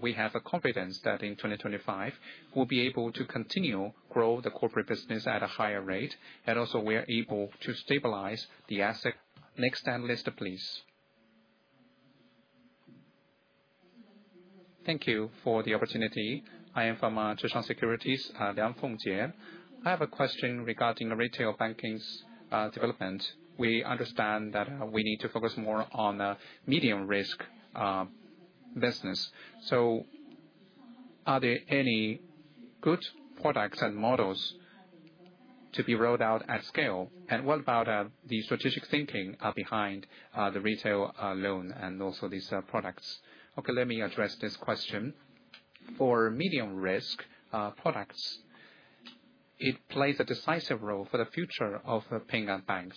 We have confidence that in 2025, we will be able to continue to grow the corporate business at a higher rate. We are able to stabilize the asset. Next analyst, please. Thank you for the opportunity. I am from Zhejiang Securities, Liang Fengjie. I have a question regarding retail banking's development. We understand that we need to focus more on medium-risk business. Are there any good products and models to be rolled out at scale? What about the strategic thinking behind the retail loan and also these products? Okay, let me address this question. For medium-risk products, it plays a decisive role for the future of Ping An Bank.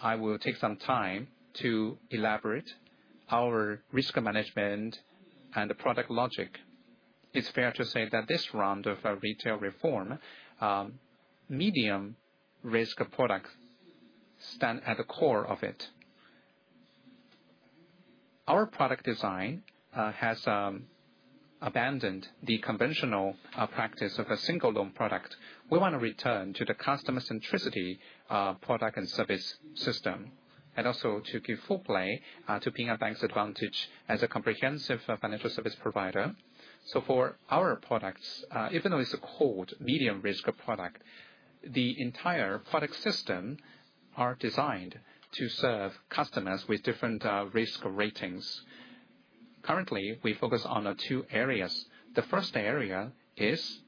I will take some time to elaborate our risk management and product logic. It's fair to say that this round of retail reform, medium-risk products stand at the core of it. Our product design has abandoned the conventional practice of a single-loan product. We want to return to the customer-centricity product and service system and also to give full play to Ping An Bank's advantage as a comprehensive financial service provider. For our products, even though it's called medium-risk product, the entire product system is designed to serve customers with different risk ratings. Currently, we focus on two areas. The first area is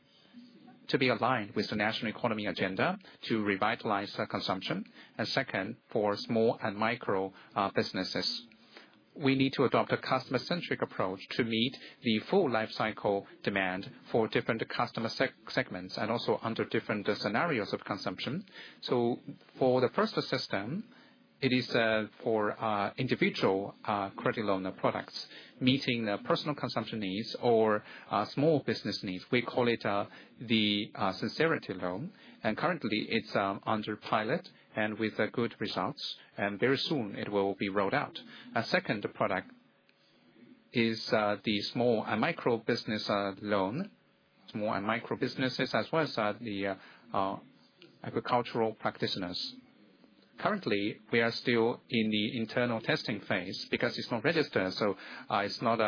to be aligned with the national economy agenda to revitalize consumption. Second, for small and micro businesses, we need to adopt a customer-centric approach to meet the full lifecycle demand for different customer segments and also under different scenarios of consumption. For the first system, it is for individual credit loan products meeting the personal consumption needs or small business needs. We call it the Sincerity Loan. Currently, it's under pilot and with good results. Very soon, it will be rolled out. A second product is the Small and Micro Business Loan. Small and micro businesses, as well as the agricultural practitioners. Currently, we are still in the internal testing phase because it's not registered. It's not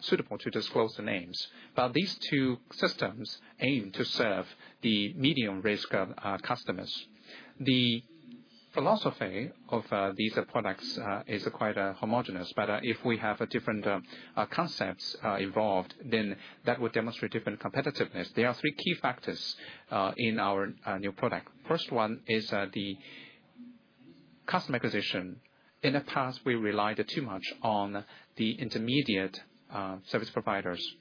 suitable to disclose the names. These two systems aim to serve the medium-risk customers. The philosophy of these products is quite homogenous. If we have different concepts involved, that would demonstrate different competitiveness. There are three key factors in our new product. The first one is customer acquisition. In the past, we relied too much on the intermediate service providers.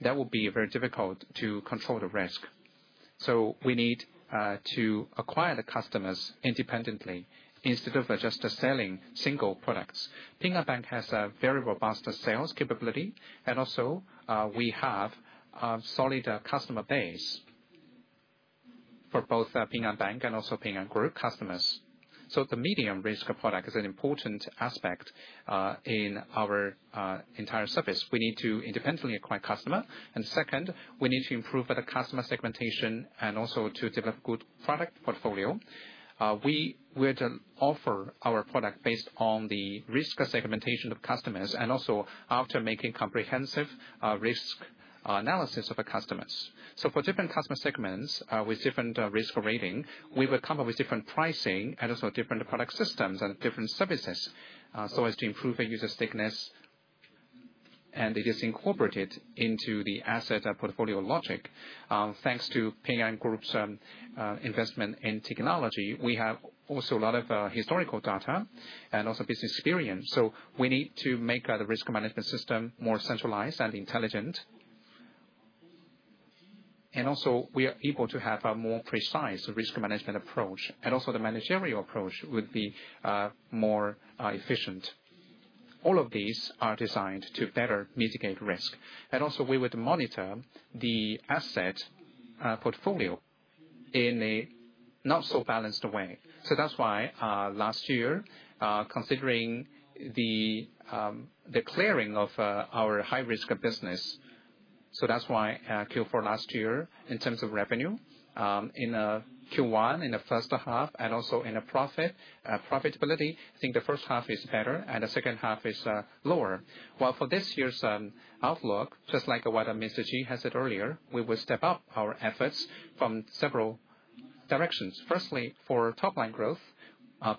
That would be very difficult to control the risk. We need to acquire the customers independently instead of just selling single products. Ping An Bank has a very robust sales capability. We also have a solid customer base for both Ping An Bank and Ping An Group customers. The medium-risk product is an important aspect in our entire service. We need to independently acquire customers. Second, we need to improve the customer segmentation and also to develop a good product portfolio. We will offer our product based on the risk segmentation of customers and also after making comprehensive risk analysis of our customers. For different customer segments with different risk rating, we will come up with different pricing and also different product systems and different services so as to improve the user stiffness and it is incorporated into the asset portfolio logic. Thanks to Ping An Group's investment in technology, we have also a lot of historical data and also business experience. We need to make the risk management system more centralized and intelligent. Also, we are able to have a more precise risk management approach. The managerial approach would be more efficient. All of these are designed to better mitigate risk. We would monitor the asset portfolio in a not-so-balanced way. That is why last year, considering the clearing of our high-risk business, in Q4 last year, in terms of revenue, in Q1, in the first half, and also in profitability, I think the first half is better and the second half is lower. For this year's outlook, just like what Mr. Ji has said earlier, we will step up our efforts from several directions. Firstly, for top-line growth,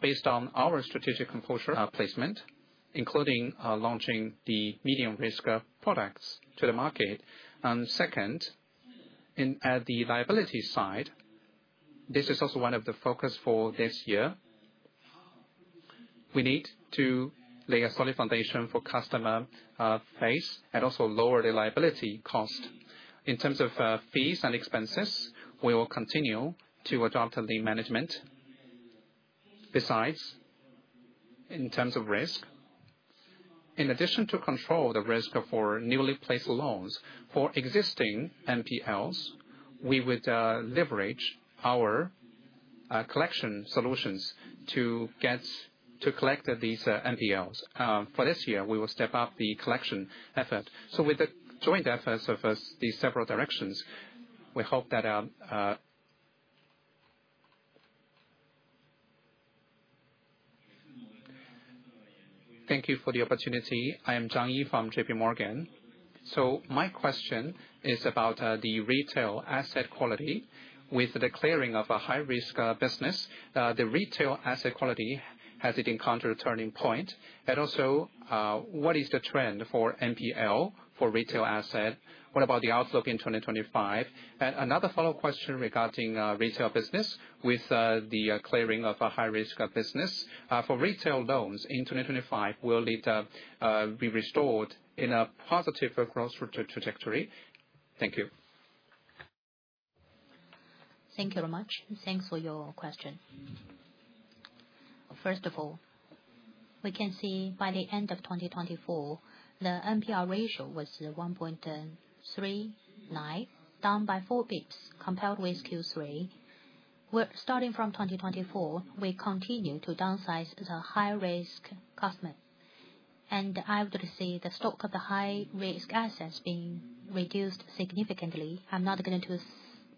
based on our strategic placement, including launching the medium-risk products to the market. Second, at the liability side, this is also one of the focuses for this year. We need to lay a solid foundation for customer base and also lower the liability cost. In terms of fees and expenses, we will continue to adopt the management. Besides, in terms of risk, in addition to control the risk for newly placed loans for existing MPLs, we would leverage our collection solutions to collect these MPLs. For this year, we will step up the collection effort. With the joint efforts of these several directions. Thank you for the opportunity. I am Zhang Yi from JPMorgan. My question is about the retail asset quality with the clearing of a high-risk business. The retail asset quality, has it encountered a turning point? Also, what is the trend for MPL for retail asset? What about the outlook in 2025? Another follow-up question regarding retail business with the clearing of a high-risk business. For retail loans in 2025, will it be restored in a positive growth trajectory? Thank you. Thank you very much. Thanks for your question. First of all, we can see by the end of 2024, the MPR ratio was 1.39, down by four basis points, compared with Q3. Starting from 2024, we continue to downsize the high-risk customers. I would say the stock of the high-risk assets has been reduced significantly. I'm not going to be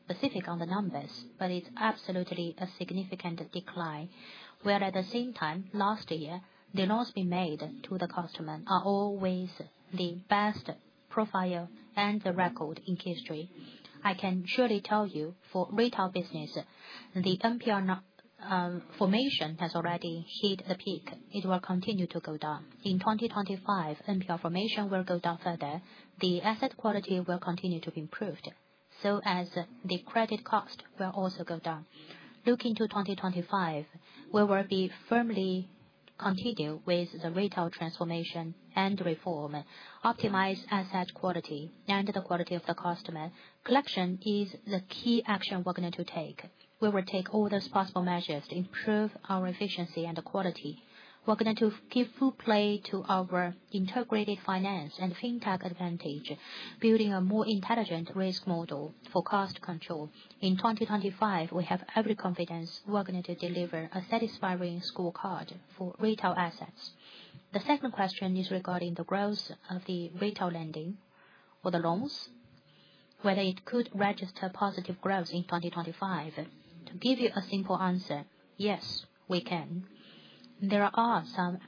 specific on the numbers, but it's absolutely a significant decline. Where at the same time, last year, the loans we made to the customers are always the best profile and the record in history. I can surely tell you, for retail business, the MPR formation has already hit the peak. It will continue to go down. In 2025, MPR formation will go down further. The asset quality will continue to be improved, so as the credit cost will also go down. Looking to 2025, we will be firmly continuing with the retail transformation and reform, optimize asset quality and the quality of the customer. Collection is the key action we're going to take. We will take all those possible measures to improve our efficiency and the quality. We're going to give full play to our integrated finance and fintech advantage, building a more intelligent risk model for cost control. In 2025, we have every confidence we're going to deliver a satisfying scorecard for retail assets. The second question is regarding the growth of the retail lending or the loans, whether it could register positive growth in 2025. To give you a simple answer, yes, we can. There are some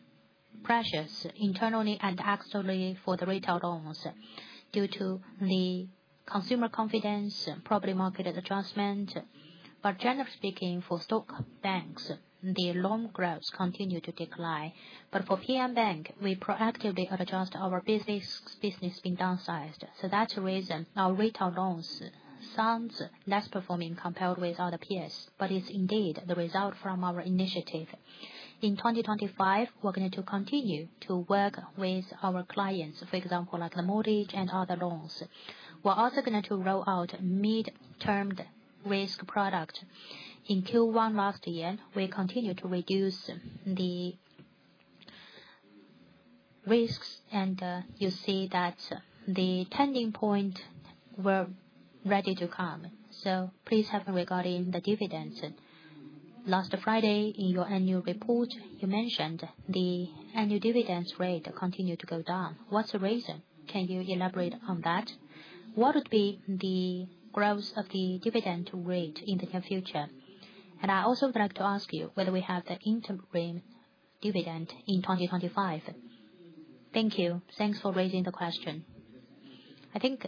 pressures internally and externally for the retail loans due to the consumer confidence, probably market adjustment. Generally speaking, for stock banks, the loan growth continued to decline. For Ping An Bank, we proactively adjust our business being downsized. That is the reason our retail loans sound less performing compared with other peers, but it is indeed the result from our initiative. In 2025, we are going to continue to work with our clients, for example, like the mortgage and other loans. We are also going to roll out mid-term risk product. In Q1 last year, we continued to reduce the risks, and you see that the turning point was ready to come. Please help me regarding the dividends. Last Friday, in your annual report, you mentioned the annual dividends rate continued to go down. What is the reason? Can you elaborate on that? What would be the growth of the dividend rate in the near future? I also would like to ask you whether we have the interim dividend in 2025. Thank you. Thanks for raising the question. I think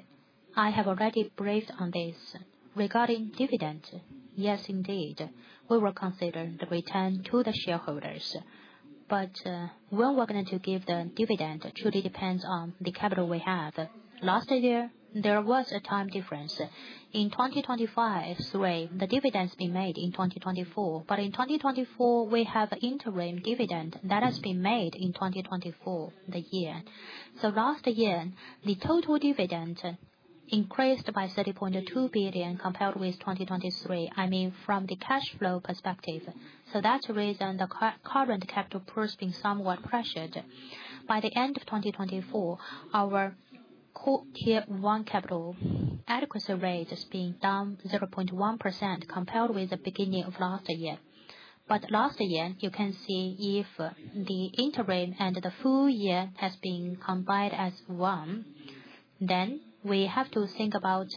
I have already briefed on this. Regarding dividends, yes, indeed, we will consider the return to the shareholders. But when we're going to give the dividend, it truly depends on the capital we have. Last year, there was a time difference. In 2025, sorry, the dividend has been made in 2024. But in 2024, we have an interim dividend that has been made in 2024, the year. Last year, the total dividend increased by 30.2 billion compared with 2023, I mean, from the cash flow perspective. That's the reason the current capital proof has been somewhat pressured. By the end of 2024, our Tier 1 capital adequacy rate has been down 0.1% compared with the beginning of last year. Last year, you can see if the interim and the full year has been combined as one, then we have to think about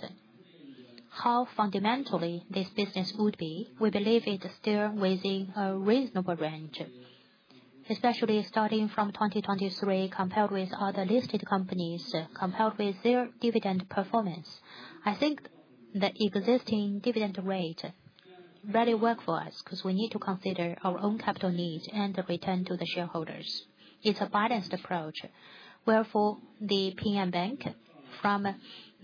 how fundamentally this business would be. We believe it's still within a reasonable range, especially starting from 2023, compared with other listed companies, compared with their dividend performance. I think the existing dividend rate really works for us because we need to consider our own capital needs and the return to the shareholders. It's a balanced approach. Wherefore, Ping An Bank, from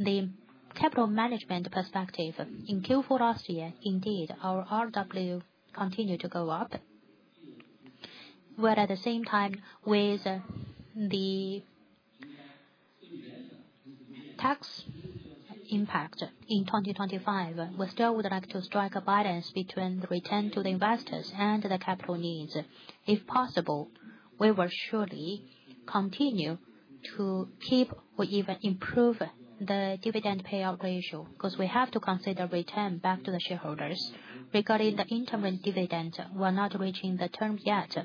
the capital management perspective, in Q4 last year, indeed, our RW continued to go up. Where at the same time, with the tax impact in 2025, we still would like to strike a balance between the return to the investors and the capital needs. If possible, we will surely continue to keep or even improve the dividend payout ratio because we have to consider return back to the shareholders. Regarding the interim dividend, we're not reaching the term yet.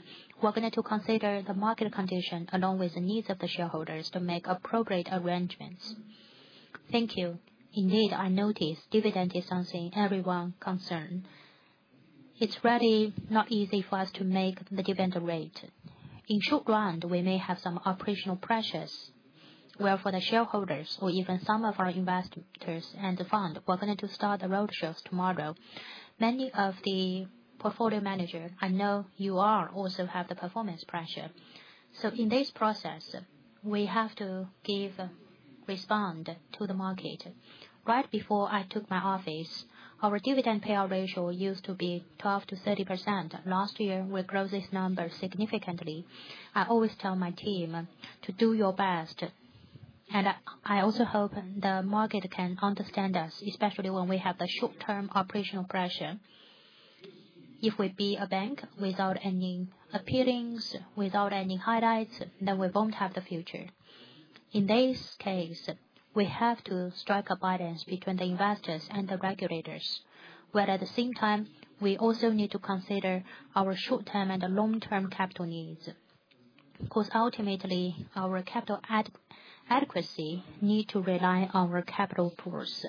We're going to consider the market condition along with the needs of the shareholders to make appropriate arrangements. Thank you. Indeed, I notice dividend is something everyone concerned. It's really not easy for us to make the dividend rate. In short run, we may have some operational pressures. Where for the shareholders or even some of our investors and the fund, we're going to start the roadshows tomorrow. Many of the portfolio managers, I know you are, also have the performance pressure. In this process, we have to respond to the market. Right before I took my office, our dividend payout ratio used to be 12%-30%. Last year, we grow this number significantly. I always tell my team to do your best. I also hope the market can understand us, especially when we have the short-term operational pressure. If we be a bank without any appearance, without any highlights, then we won't have the future. In this case, we have to strike a balance between the investors and the regulators. At the same time, we also need to consider our short-term and the long-term capital needs. Because ultimately, our capital adequacy needs to rely on our capital pools.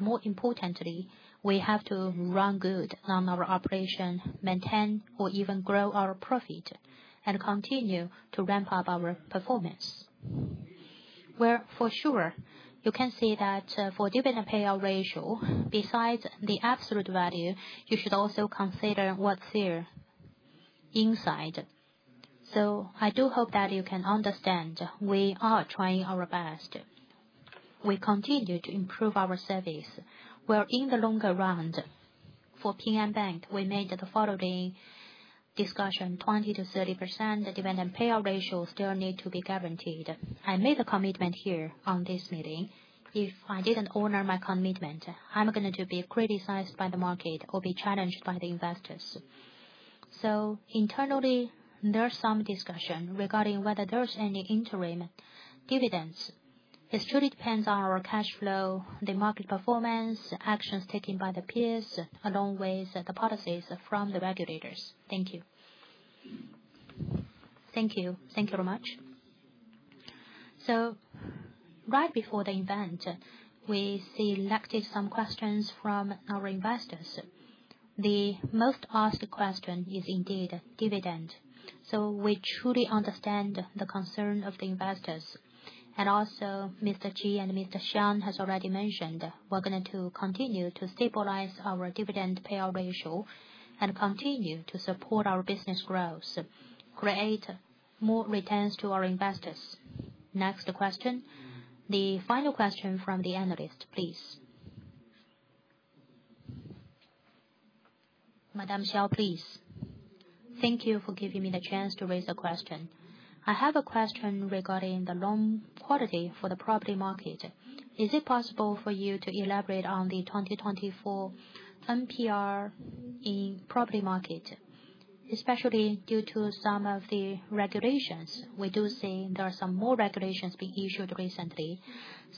More importantly, we have to run good on our operation, maintain or even grow our profit, and continue to ramp up our performance. For sure, you can see that for dividend payout ratio, besides the absolute value, you should also consider what's there inside. I do hope that you can understand we are trying our best. We continue to improve our service. Where in the longer run, for Ping An Bank, we made the following discussion: 20%-30% dividend payout ratio still needs to be guaranteed. I made a commitment here on this meeting. If I did not honor my commitment, I am going to be criticized by the market or be challenged by the investors. Internally, there is some discussion regarding whether there are any interim dividends. It truly depends on our cash flow, the market performance, actions taken by the peers, along with the policies from the regulators. Thank you. Thank you. Thank you very much. Right before the event, we selected some questions from our investors. The most asked question is indeed dividend. We truly understand the concern of the investors. And also, Mr. Qi and Mr. Xiang has already mentioned we're going to continue to stabilize our dividend payout ratio and continue to support our business growth, create more returns to our investors. Next question. The final question from the analyst, please. Madam Xiao, please. Thank you for giving me the chance to raise a question. I have a question regarding the loan quality for the property market. Is it possible for you to elaborate on the 2024 MPR in property market, especially due to some of the regulations? We do see there are some more regulations being issued recently.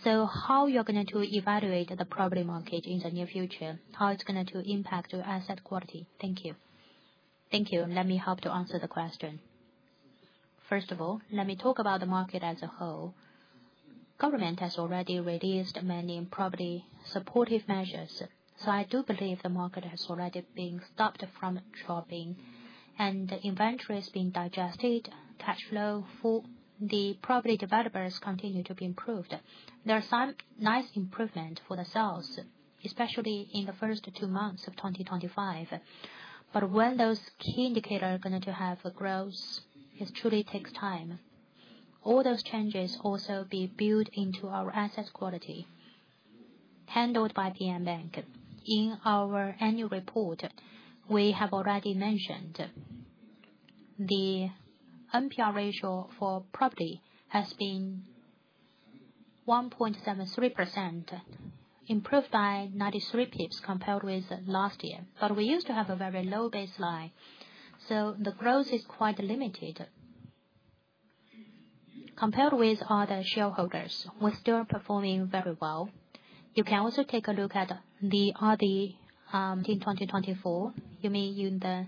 How are you going to evaluate the property market in the near future? How it's going to impact your asset quality? Thank you. Thank you. Let me help to answer the question. First of all, let me talk about the market as a whole. Government has already released many property supportive measures.I do believe the market has already been stopped from dropping, and the inventory has been digested, cash flow for the property developers continued to be improved. There are some nice improvements for the sales, especially in the first two months of 2025. When those key indicators are going to have growth, it truly takes time. All those changes also be built into our asset quality handled by Ping An Bank. In our annual report, we have already mentioned the NPL ratio for property has been 1.73%, improved by 93 basis points compared with last year. We used to have a very low baseline, so the growth is quite limited. Compared with other shareholders, we are still performing very well. You can also take a look at the other 2024. You may use the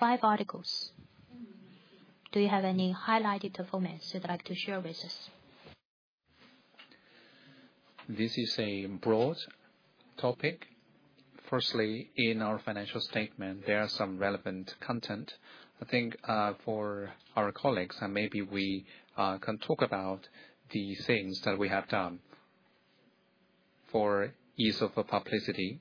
five articles. Do you have any highlighted performance you'd like to share with us? This is a broad topic. Firstly, in our financial statement, there are some relevant content. I think for our colleagues, maybe we can talk about the things that we have done for ease of publicity.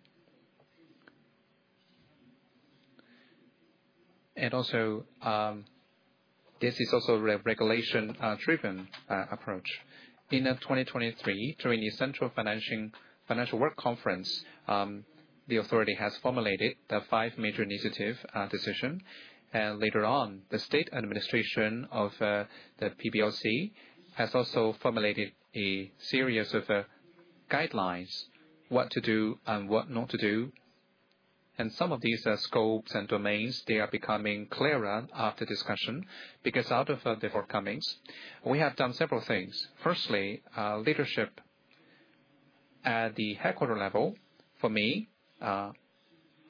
This is also a regulation-driven approach. In 2023, during the Central Financial Work Conference, the authority has formulated the five major initiative decisions. Later on, the state administration of the PBOC has also formulated a series of guidelines on what to do and what not to do. Some of these scopes and domains, they are becoming clearer after discussion because out of the forecomings, we have done several things. Firstly, leadership at the headquarter level. For me, I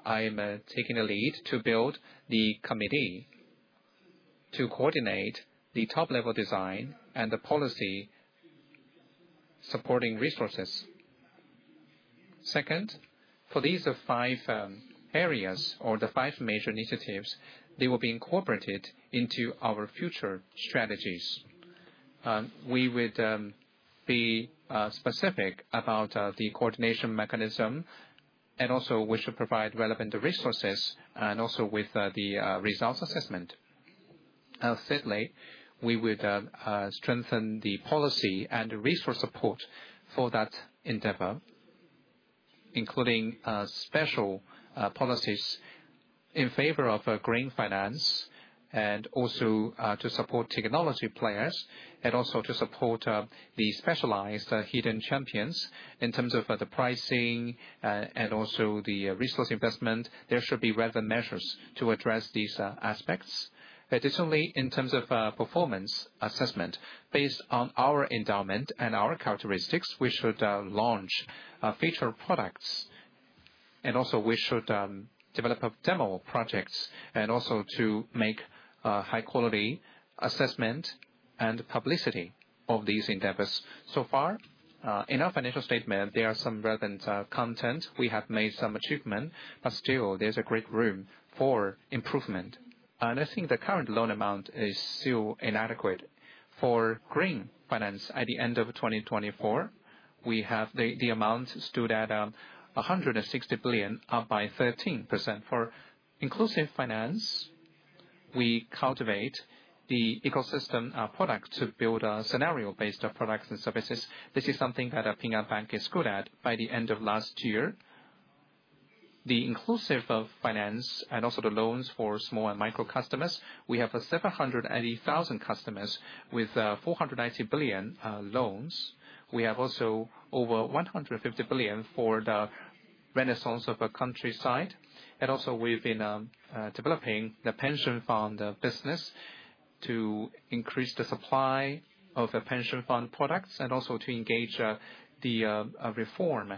am taking the lead to build the committee to coordinate the top-level design and the policy supporting resources. Second, for these five areas or the five major initiatives, they will be incorporated into our future strategies. We would be specific about the coordination mechanism, and also, we should provide relevant resources and also with the results assessment. Thirdly, we would strengthen the policy and resource support for that endeavor, including special policies in favor of green finance and also to support technology players and also to support the specialized hidden champions in terms of the pricing and also the resource investment. There should be relevant measures to address these aspects. Additionally, in terms of performance assessment, based on our endowment and our characteristics, we should launch future products. Also, we should develop demo projects and also to make high-quality assessment and publicity of these endeavors. So far, in our financial statement, there are some relevant content. We have made some achievement, but still, there's a great room for improvement. I think the current loan amount is still inadequate for green finance. At the end of 2024, we have the amount stood at 160 billion, up by 13%. For inclusive finance, we cultivate the ecosystem product to build a scenario based on products and services. This is something that Ping An Bank is good at. By the end of last year, the inclusive finance and also the loans for small and micro customers, we have 780,000 customers with 490 billion loans. We have also over 150 billion for the renaissance of a countryside. We have been developing the pension fund business to increase the supply of pension fund products and also to engage the reform,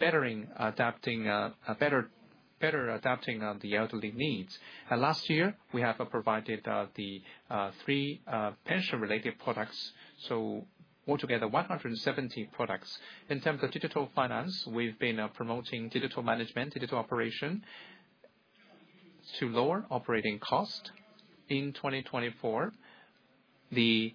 better adapting the elderly needs. Last year, we have provided the three pension-related products. Altogether, 170 products. In terms of digital finance, we've been promoting digital management, digital operation to lower operating cost. In 2024, the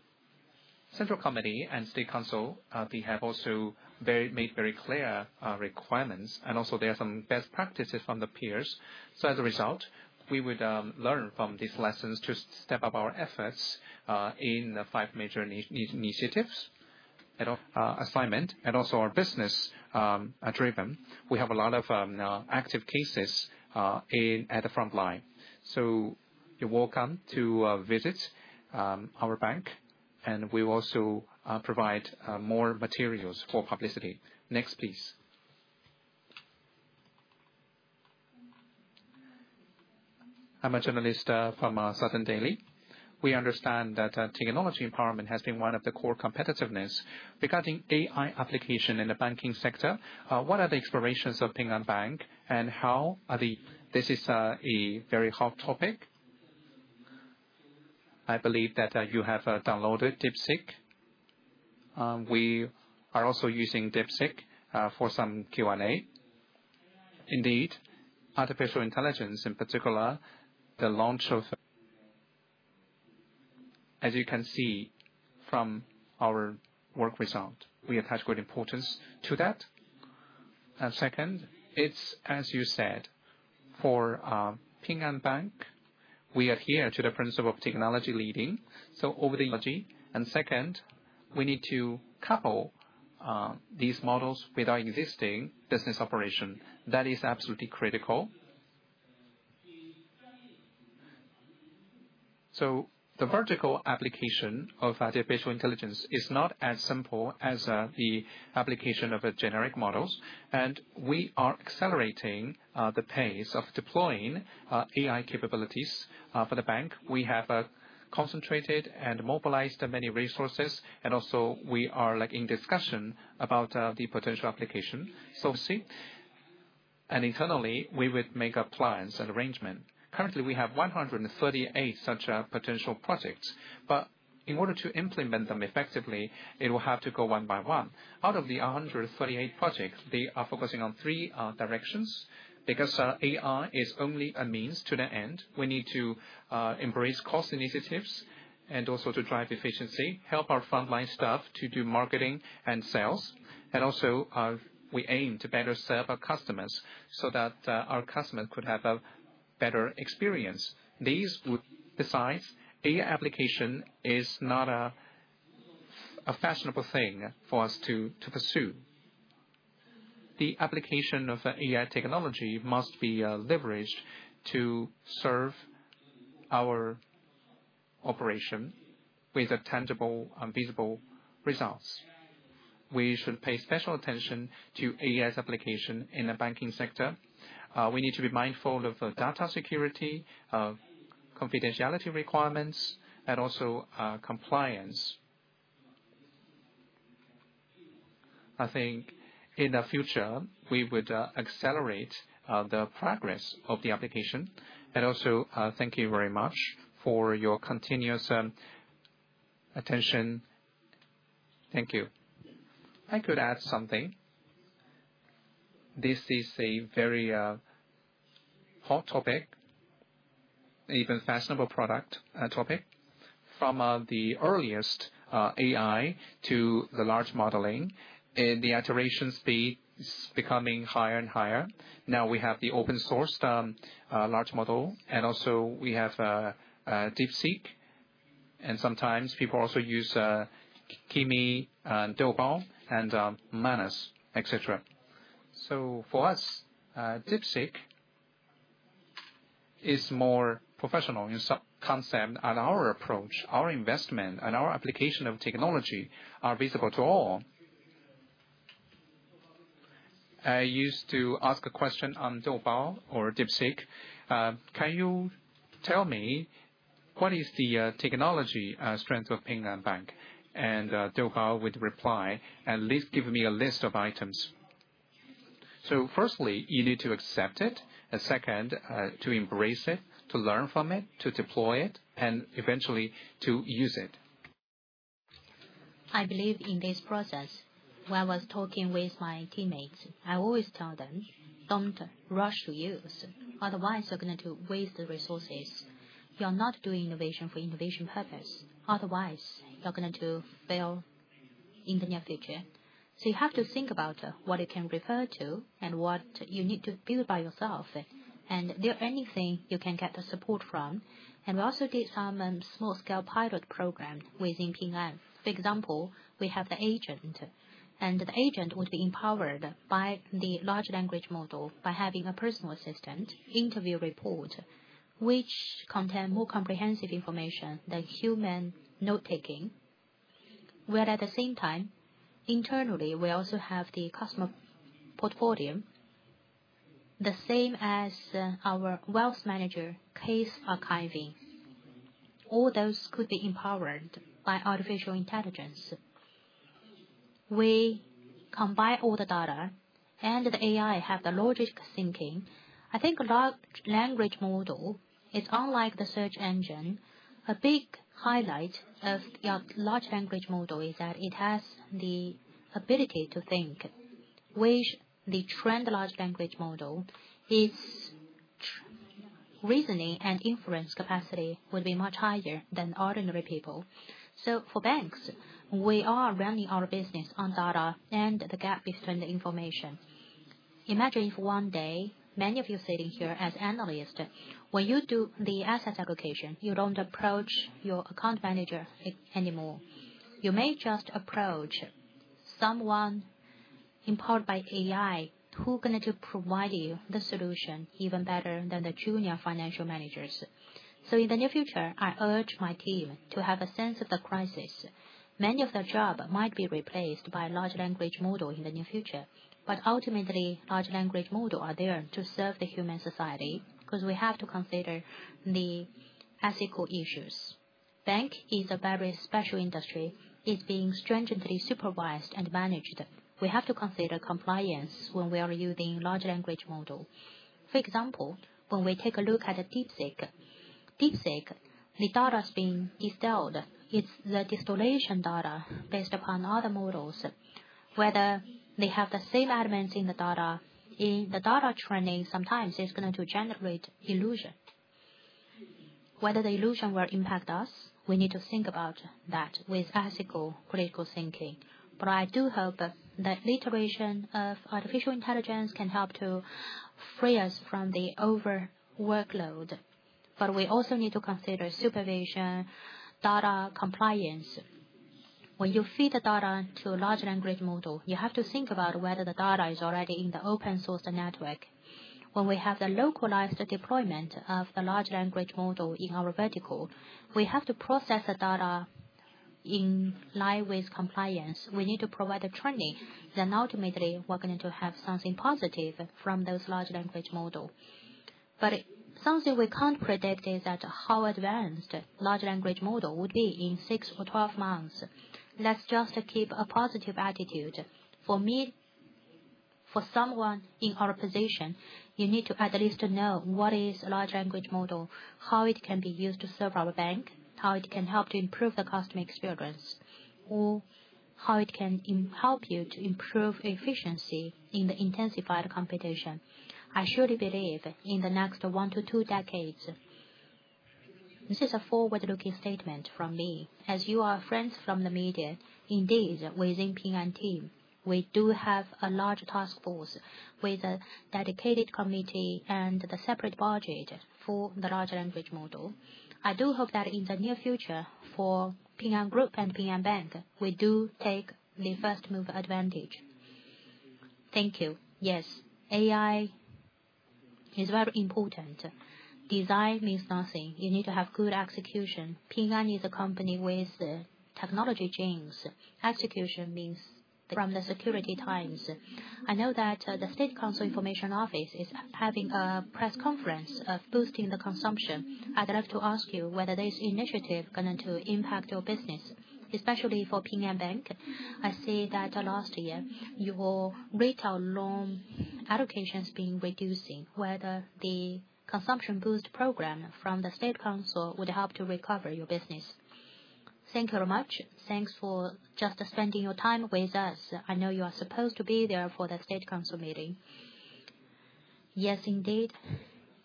central committee and state council, they have also made very clear requirements. Also, there are some best practices from the peers. As a result, we would learn from these lessons to step up our efforts in the five major initiatives and assignment. Also, our business-driven, we have a lot of active cases at the front line. You're welcome to visit our bank, and we will also provide more materials for publicity. Next, please. I'm a journalist from Southern Daily. We understand that technology empowerment has been one of the core competitiveness. Regarding AI application in the banking sector, what are the explorations of Ping An Bank, and how are they? This is a very hot topic. I believe that you have downloaded DeepSeek. We are also using DeepSeek for some Q&A. Indeed, artificial intelligence in particular, the launch of, as you can see from our work result, we attach great importance to that. Second, it's, as you said, for Ping An Bank, we adhere to the principle of technology leading. Over the technology. Second, we need to couple these models with our existing business operation. That is absolutely critical. The vertical application of artificial intelligence is not as simple as the application of generic models. We are accelerating the pace of deploying AI capabilities for the bank. We have concentrated and mobilized many resources. Also, we are in discussion about the potential application. Policy. Internally, we would make plans and arrangements. Currently, we have 138 such potential projects. In order to implement them effectively, it will have to go one by one. Out of the 138 projects, they are focusing on three directions because AI is only a means to the end. We need to embrace cost initiatives and also to drive efficiency, help our frontline staff to do marketing and sales. We aim to better serve our customers so that our customers could have a better experience. Besides, AI application is not a fashionable thing for us to pursue. The application of AI technology must be leveraged to serve our operation with tangible and visible results. We should pay special attention to AI's application in the banking sector. We need to be mindful of data security, confidentiality requirements, and also compliance. I think in the future, we would accelerate the progress of the application. Thank you very much for your continuous attention. Thank you. I could add something. This is a very hot topic, even fashionable product topic. From the earliest AI to the large modeling, the iteration speed is becoming higher and higher. Now we have the open-sourced large model, and also we have DeepSeek. Sometimes people also use Kimi and Doubao and Manus, etc. For us, DeepSeek is more professional in some concept, and our approach, our investment, and our application of technology are visible to all. I used to ask a question on Doubao or DeepSeek. Can you tell me what is the technology strength of Ping An Bank? Doubao would reply, "At least give me a list of items." Firstly, you need to accept it. Second, to embrace it, to learn from it, to deploy it, and eventually to use it. I believe in this process, when I was talking with my teammates, I always tell them, "Don't rush to use. Otherwise, you're going to waste the resources. You're not doing innovation for innovation purpose. Otherwise, you're going to fail in the near future." You have to think about what you can refer to and what you need to build by yourself, and there are anything you can get support from. We also did some small-scale pilot program within Ping An Bank. For example, we have the agent, and the agent would be empowered by the large language model by having a personal assistant interview report, which contains more comprehensive information than human note-taking. At the same time, internally, we also have the customer portfolio, the same as our wealth manager case archiving. All those could be empowered by artificial intelligence. We combine all the data, and the AI has the logic thinking. I think large language model is unlike the search engine. A big highlight of large language model is that it has the ability to think, which the trend large language model is reasoning and inference capacity would be much higher than ordinary people. For banks, we are running our business on data and the gap between the information. Imagine if one day, many of you sitting here as analysts, when you do the asset allocation, you don't approach your account manager anymore. You may just approach someone empowered by AI who's going to provide you the solution even better than the junior financial managers. In the near future, I urge my team to have a sense of the crisis. Many of their jobs might be replaced by large language model in the near future. Ultimately, large language models are there to serve the human society because we have to consider the ethical issues. Bank is a very special industry. It's being stringently supervised and managed. We have to consider compliance when we are using large language model. For example, when we take a look at DeepSeek, DeepSeek, the data has been distilled. It's the distillation data based upon other models. Whether they have the same elements in the data, in the data training, sometimes it's going to generate illusion. Whether the illusion will impact us, we need to think about that with ethical critical thinking. I do hope that the iteration of artificial intelligence can help to free us from the overworkload. We also need to consider supervision, data compliance. When you feed the data to a large language model, you have to think about whether the data is already in the open-source network. When we have the localized deployment of the large language model in our vertical, we have to process the data in line with compliance. We need to provide the training. Ultimately, we're going to have something positive from those large language models. Something we can't predict is how advanced large language models would be in 6 or 12 months. Let's just keep a positive attitude. For me, for someone in our position, you need to at least know what is a large language model, how it can be used to serve our bank, how it can help to improve the customer experience, or how it can help you to improve efficiency in the intensified competition. I surely believe in the next one to two decades. This is a forward-looking statement from me. As you are friends from the media, indeed, within Ping An team, we do have a large task force with a dedicated committee and the separate budget for the large language model. I do hope that in the near future, for Ping An Group and Ping An Bank, we do take the first-mover advantage. Thank you. Yes, AI is very important. Design means nothing. You need to have good execution. Ping An is a company with technology genes. Execution means the. From the Security Times. I know that the State Council Information Office is having a press conference of boosting the consumption. I'd like to ask you whether this initiative is going to impact your business, especially for Ping An Bank. I see that last year, your retail loan allocations have been reducing. Whether the consumption boost program from the State Council would help to recover your business. Thank you very much. Thanks for just spending your time with us. I know you are supposed to be there for the State Council meeting. Yes, indeed.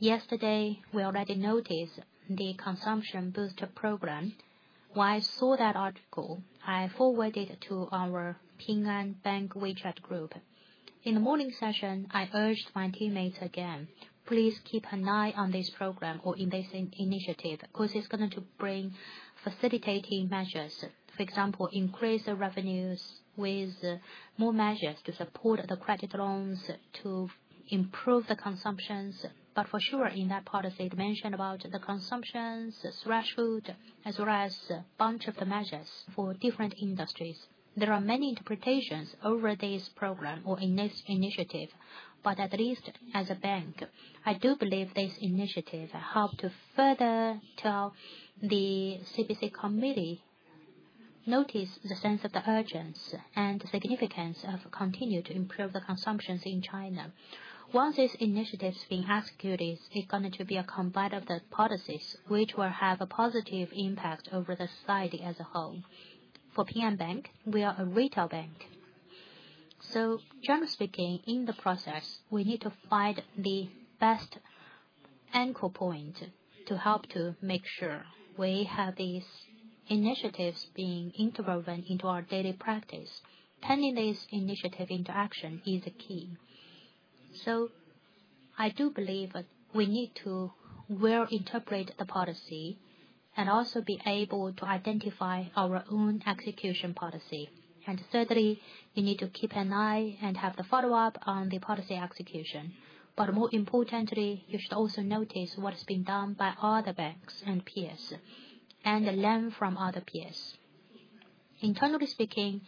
Yesterday, we already noticed the consumption boost program. When I saw that article, I forwarded it to our Ping An Bank WeChat group. In the morning session, I urged my teammates again, "Please keep an eye on this program or invest in initiative because it's going to bring facilitating measures." For example, increase the revenues with more measures to support the credit loans to improve the consumptions. For sure, in that policy, it mentioned about the consumptions, threshold, as well as a bunch of the measures for different industries. There are many interpretations over this program or initiative, but at least as a bank, I do believe this initiative helped to further tell the CBC committee, "Notice the sense of the urgence and significance of continuing to improve the consumptions in China." Once this initiative has been executed, it's going to be a combine of the policies which will have a positive impact over the society as a whole. For Ping An Bank, we are a retail bank. Generally speaking, in the process, we need to find the best anchor point to help to make sure we have these initiatives being interwoven into our daily practice. Turning this initiative into action is the key. I do believe we need to well interpret the policy and also be able to identify our own execution policy. Thirdly, you need to keep an eye and have the follow-up on the policy execution. More importantly, you should also notice what's been done by other banks and peers and learn from other peers. Internally speaking,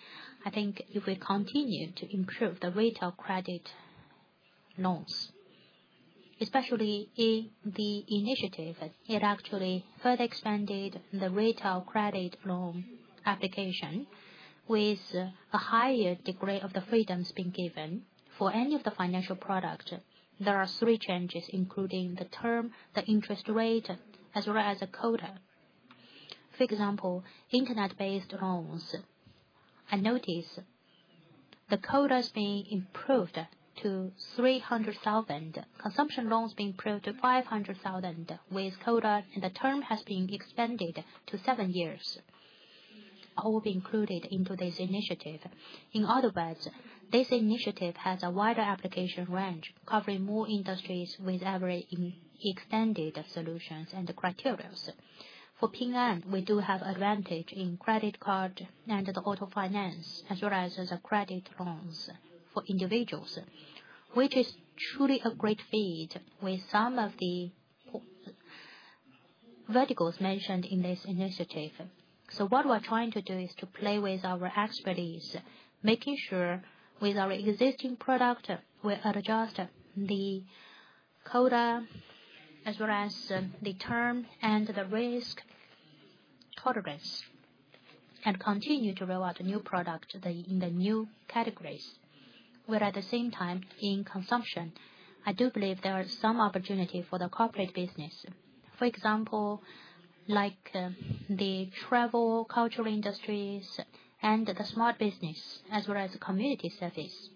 I think if we continue to improve the retail credit loans, especially in the initiative, it actually further expanded the retail credit loan application with a higher degree of the freedoms being given. For any of the financial products, there are three changes, including the term, the interest rate, as well as a quota. For example, internet-based loans. I noticed the quota has been improved to 300,000. Consumption loans have been improved to 500,000 with quota, and the term has been extended to seven years. All will be included into this initiative. In other words, this initiative has a wider application range, covering more industries with every extended solutions and criteria. For Ping An, we do have advantage in credit card and the auto finance, as well as the credit loans for individuals, which is truly a great feat with some of the verticals mentioned in this initiative. What we're trying to do is to play with our expertise, making sure with our existing product, we adjust the quota, as well as the term and the risk tolerance, and continue to roll out the new product in the new categories. At the same time, in consumption, I do believe there are some opportunities for the corporate business. For example, like the travel, cultural industries, and the smart business, as well as community service,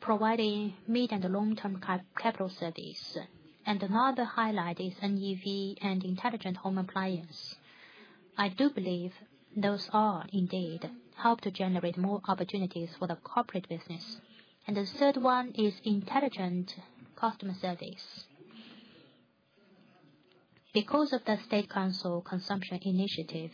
providing mid and long-term capital service. Another highlight is NEV and intelligent home appliance. I do believe those all indeed help to generate more opportunities for the corporate business. The third one is intelligent customer service. Because of the State Council consumption initiative,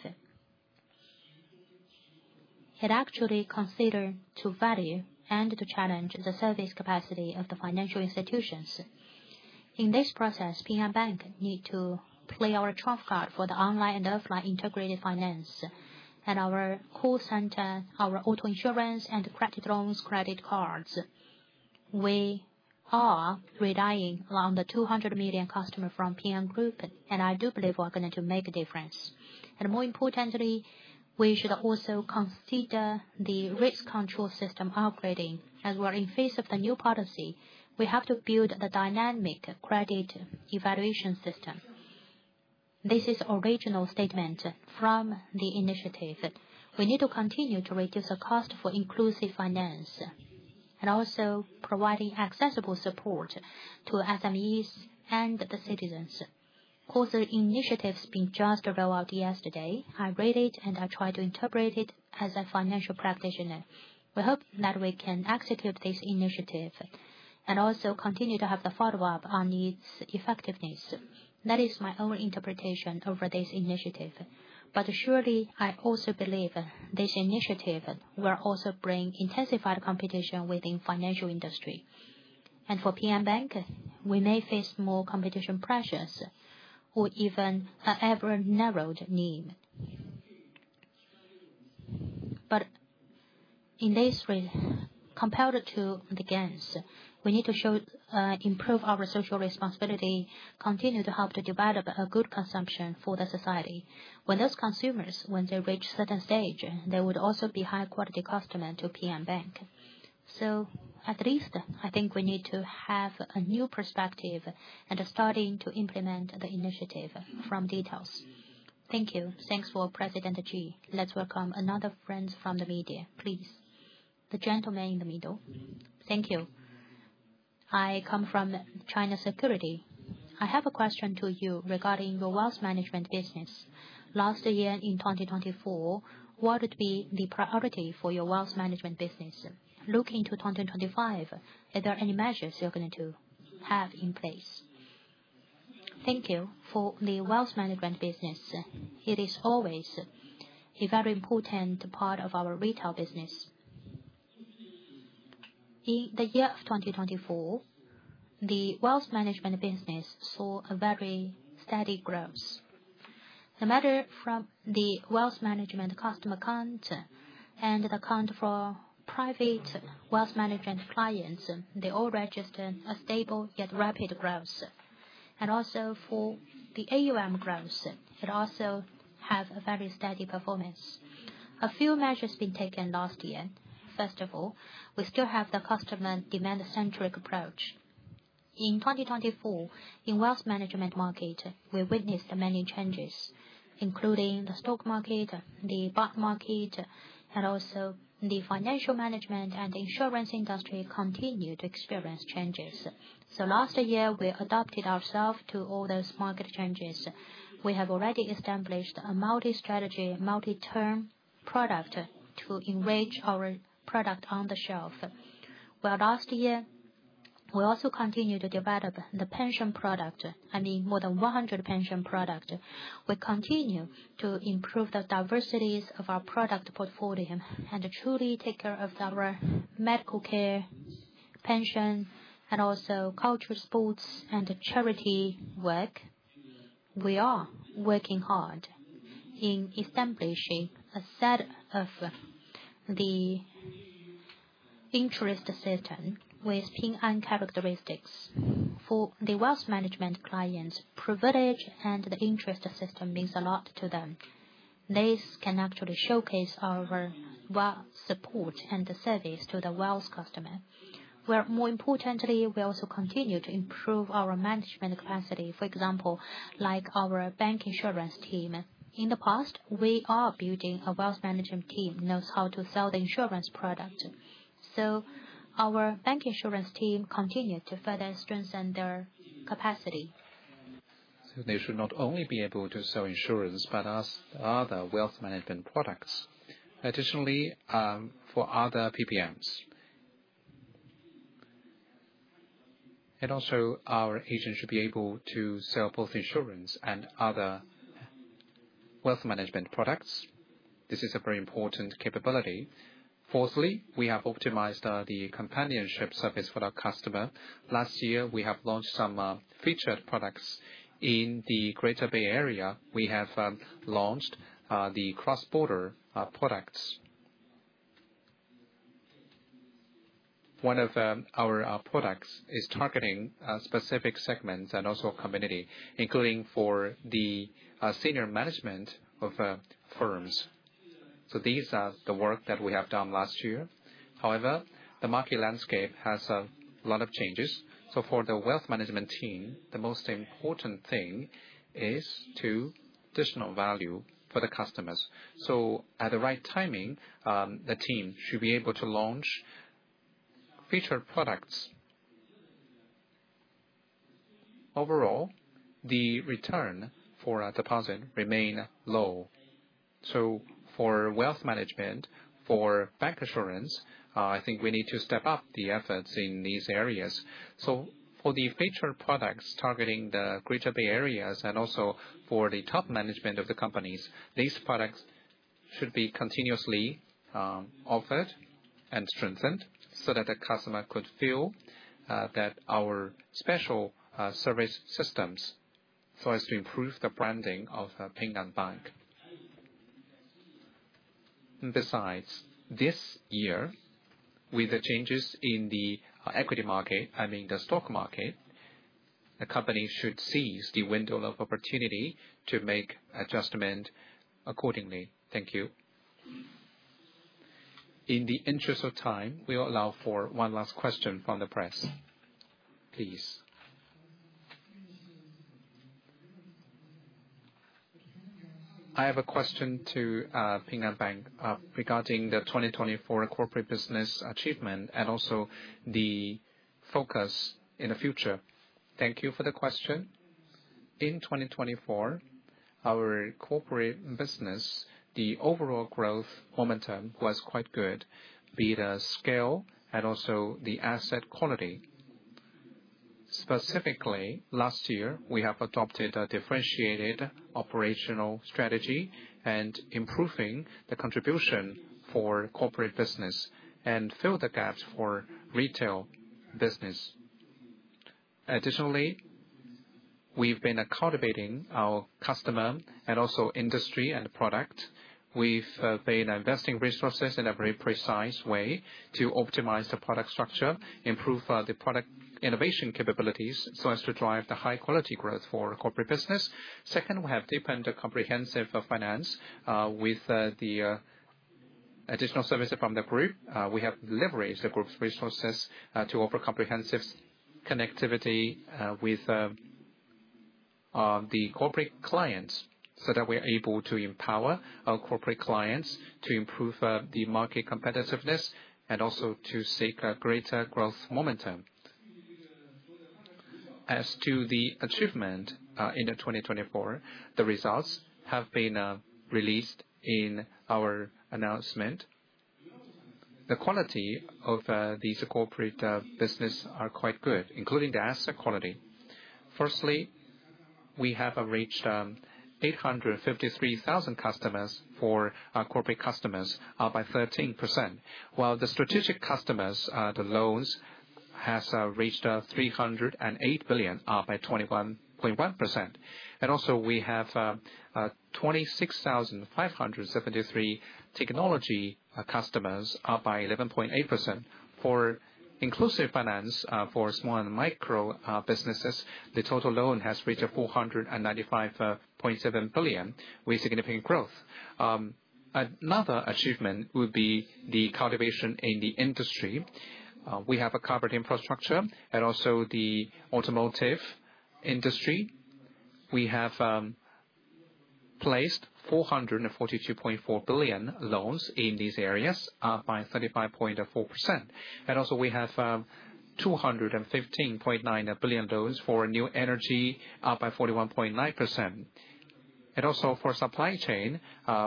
it actually considered to value and to challenge the service capacity of the financial institutions. In this process, Ping An Bank needs to play our trump card for the online and offline integrated finance and our call center, our auto insurance, and credit loans, credit cards. We are relying on the 200 million customers from Ping An Group, and I do believe we're going to make a difference. More importantly, we should also consider the risk control system upgrading, as we are in phase of the new policy. We have to build the dynamic credit evaluation system. This is an original statement from the initiative. We need to continue to reduce the cost for inclusive finance and also providing accessible support to SMEs and the citizens. Because the initiative has been just rolled out yesterday, I read it and I tried to interpret it as a financial practitioner. We hope that we can execute this initiative and also continue to have the follow-up on its effectiveness. That is my own interpretation over this initiative. Surely, I also believe this initiative will also bring intensified competition within the financial industry. For Ping An Bank, we may face more competition pressures or even an ever-narrowed need. In this compared to the gains, we need to improve our social responsibility, continue to help to develop a good consumption for the society. When those consumers, when they reach a certain stage, there would also be high-quality customers to Ping An Bank. At least I think we need to have a new perspective and starting to implement the initiative from details. Thank you. Thanks for President Ji. Let's welcome another friend from the media. Please, the gentleman in the middle. Thank you. I come from China Security. I have a question to you regarding your wealth management business. Last year, in 2024, what would be the priority for your wealth management business? Looking to 2025, are there any measures you're going to have in place? Thank you. For the wealth management business, it is always a very important part of our retail business. In the year of 2024, the wealth management business saw a very steady growth. No matter from the wealth management customer account and the account for private wealth management clients, they all registered a stable yet rapid growth. Also for the AUM growth, it also has a very steady performance. A few measures have been taken last year. First of all, we still have the customer demand-centric approach. In 2024, in the wealth management market, we witnessed many changes, including the stock market, the bond market, and also the financial management and insurance industry continued to experience changes. Last year, we adapted ourselves to all those market changes. We have already established a multi-strategy, multi-term product to enrich our product on the shelf. Last year, we also continued to develop the pension product. I mean, more than 100 pension products. We continue to improve the diversities of our product portfolio and truly take care of our medical care, pension, and also culture, sports, and charity work. We are working hard in establishing a set of the interest system with Ping An characteristics. For the wealth management clients, privilege and the interest system means a lot to them. This can actually showcase our support and service to the wealth customer. More importantly, we also continue to improve our management capacity. For example, like our bank insurance team. In the past, we are building a wealth management team that knows how to sell the insurance product. Our bank insurance team continued to further strengthen their capacity. They should not only be able to sell insurance, but also other wealth management products. Additionally, for other PPMs, and also our agents should be able to sell both insurance and other wealth management products. This is a very important capability. Fourthly, we have optimized the companionship service for our customer. Last year, we have launched some featured products. In the Greater Bay Area, we have launched the cross-border products. One of our products is targeting specific segments and also a community, including for the senior management of firms. These are the work that we have done last year. However, the market landscape has a lot of changes. For the wealth management team, the most important thing is to add additional value for the customers. At the right timing, the team should be able to launch featured products. Overall, the return for a deposit remains low. For wealth management, for bank assurance, I think we need to step up the efforts in these areas. For the featured products targeting the Greater Bay Area and also for the top management of the companies, these products should be continuously offered and strengthened so that the customer could feel that our special service systems serve to improve the branding of Ping An Bank. Besides, this year, with the changes in the equity market, I mean the stock market, the company should seize the window of opportunity to make adjustments accordingly. Thank you. In the interest of time, we'll allow for one last question from the press. Please. I have a question to Ping An Bank regarding the 2024 corporate business achievement and also the focus in the future. Thank you for the question. In 2024, our corporate business, the overall growth momentum was quite good, be it scale and also the asset quality. Specifically, last year, we have adopted a differentiated operational strategy and improved the contribution for corporate business and filled the gaps for retail business. Additionally, we've been cultivating our customer and also industry and product. We've been investing resources in a very precise way to optimize the product structure, improve the product innovation capabilities so as to drive the high-quality growth for corporate business. Second, we have deepened the comprehensive finance with the additional services from the group. We have leveraged the group's resources to offer comprehensive connectivity with the corporate clients so that we are able to empower our corporate clients to improve the market competitiveness and also to seek a greater growth momentum. As to the achievement in 2024, the results have been released in our announcement. The quality of these corporate businesses is quite good, including the asset quality. Firstly, we have reached 853,000 customers for our corporate customers by 13%, while the strategic customers, the loans, have reached 308 billion by 21.1%. We have 26,573 technology customers by 11.8%. For inclusive finance for small and micro businesses, the total loan has reached 495.7 billion with significant growth. Another achievement would be the cultivation in the industry. We have covered infrastructure and also the automotive industry. We have placed 442.4 billion loans in these areas by 35.4%. We have 215.9 billion loans for new energy, up by 41.9%. For supply chain,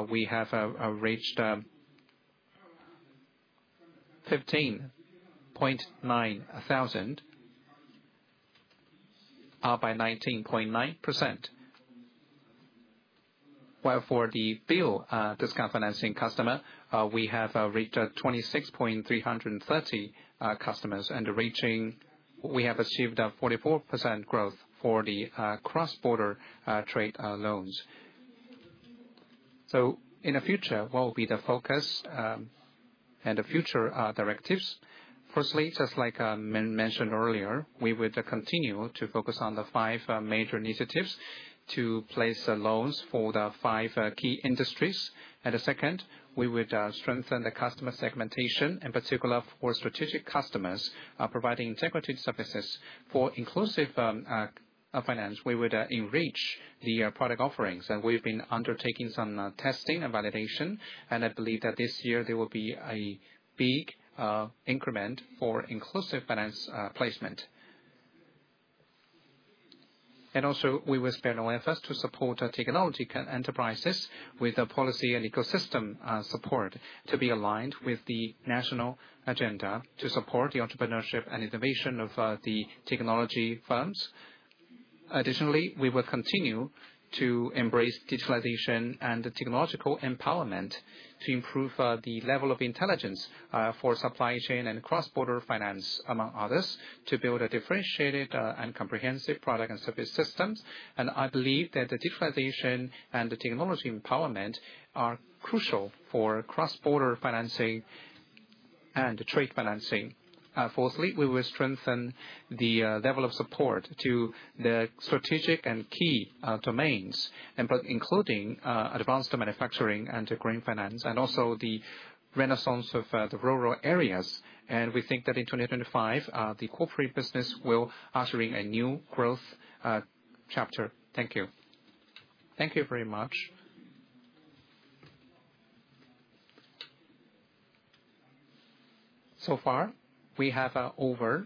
we have reached 15.9 billion, up by 19.9%. For the bill discount financing customer, we have reached 26,330 customers, and we have achieved a 44% growth for the cross-border trade loans. In the future, what will be the focus and the future directives? Firstly, just like I mentioned earlier, we would continue to focus on the five major initiatives to place loans for the five key industries. Second, we would strengthen the customer segmentation, in particular for strategic customers, providing integrity services. For inclusive finance, we would enrich the product offerings. We have been undertaking some testing and validation. I believe that this year, there will be a big increment for inclusive finance placement. We will spare no efforts to support technology enterprises with policy and ecosystem support to be aligned with the national agenda to support the entrepreneurship and innovation of the technology firms. Additionally, we will continue to embrace digitalization and technological empowerment to improve the level of intelligence for supply chain and cross-border finance, among others, to build a differentiated and comprehensive product and service systems. I believe that the digitalization and technology empowerment are crucial for cross-border financing and trade financing. Fourthly, we will strengthen the level of support to the strategic and key domains, including advanced manufacturing and green finance, and also the renaissance of the rural areas. We think that in 2025, the corporate business will usher in a new growth chapter. Thank you. Thank you very much. So far, we have over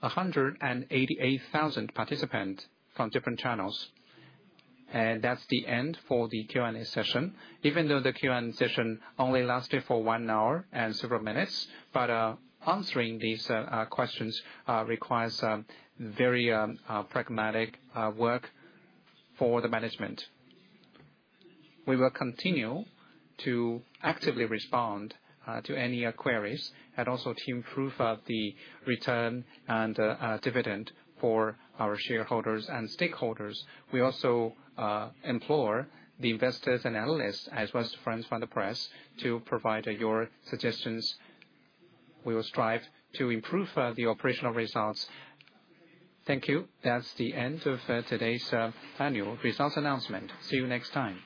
188,000 participants from different channels. That is the end for the Q&A session. Even though the Q&A session only lasted for one hour and several minutes, answering these questions requires very pragmatic work for the management. We will continue to actively respond to any queries and also to improve the return and dividend for our shareholders and stakeholders. We also implore the investors and analysts, as well as friends from the press, to provide your suggestions. We will strive to improve the operational results. Thank you. That is the end of today's annual results announcement. See you next time.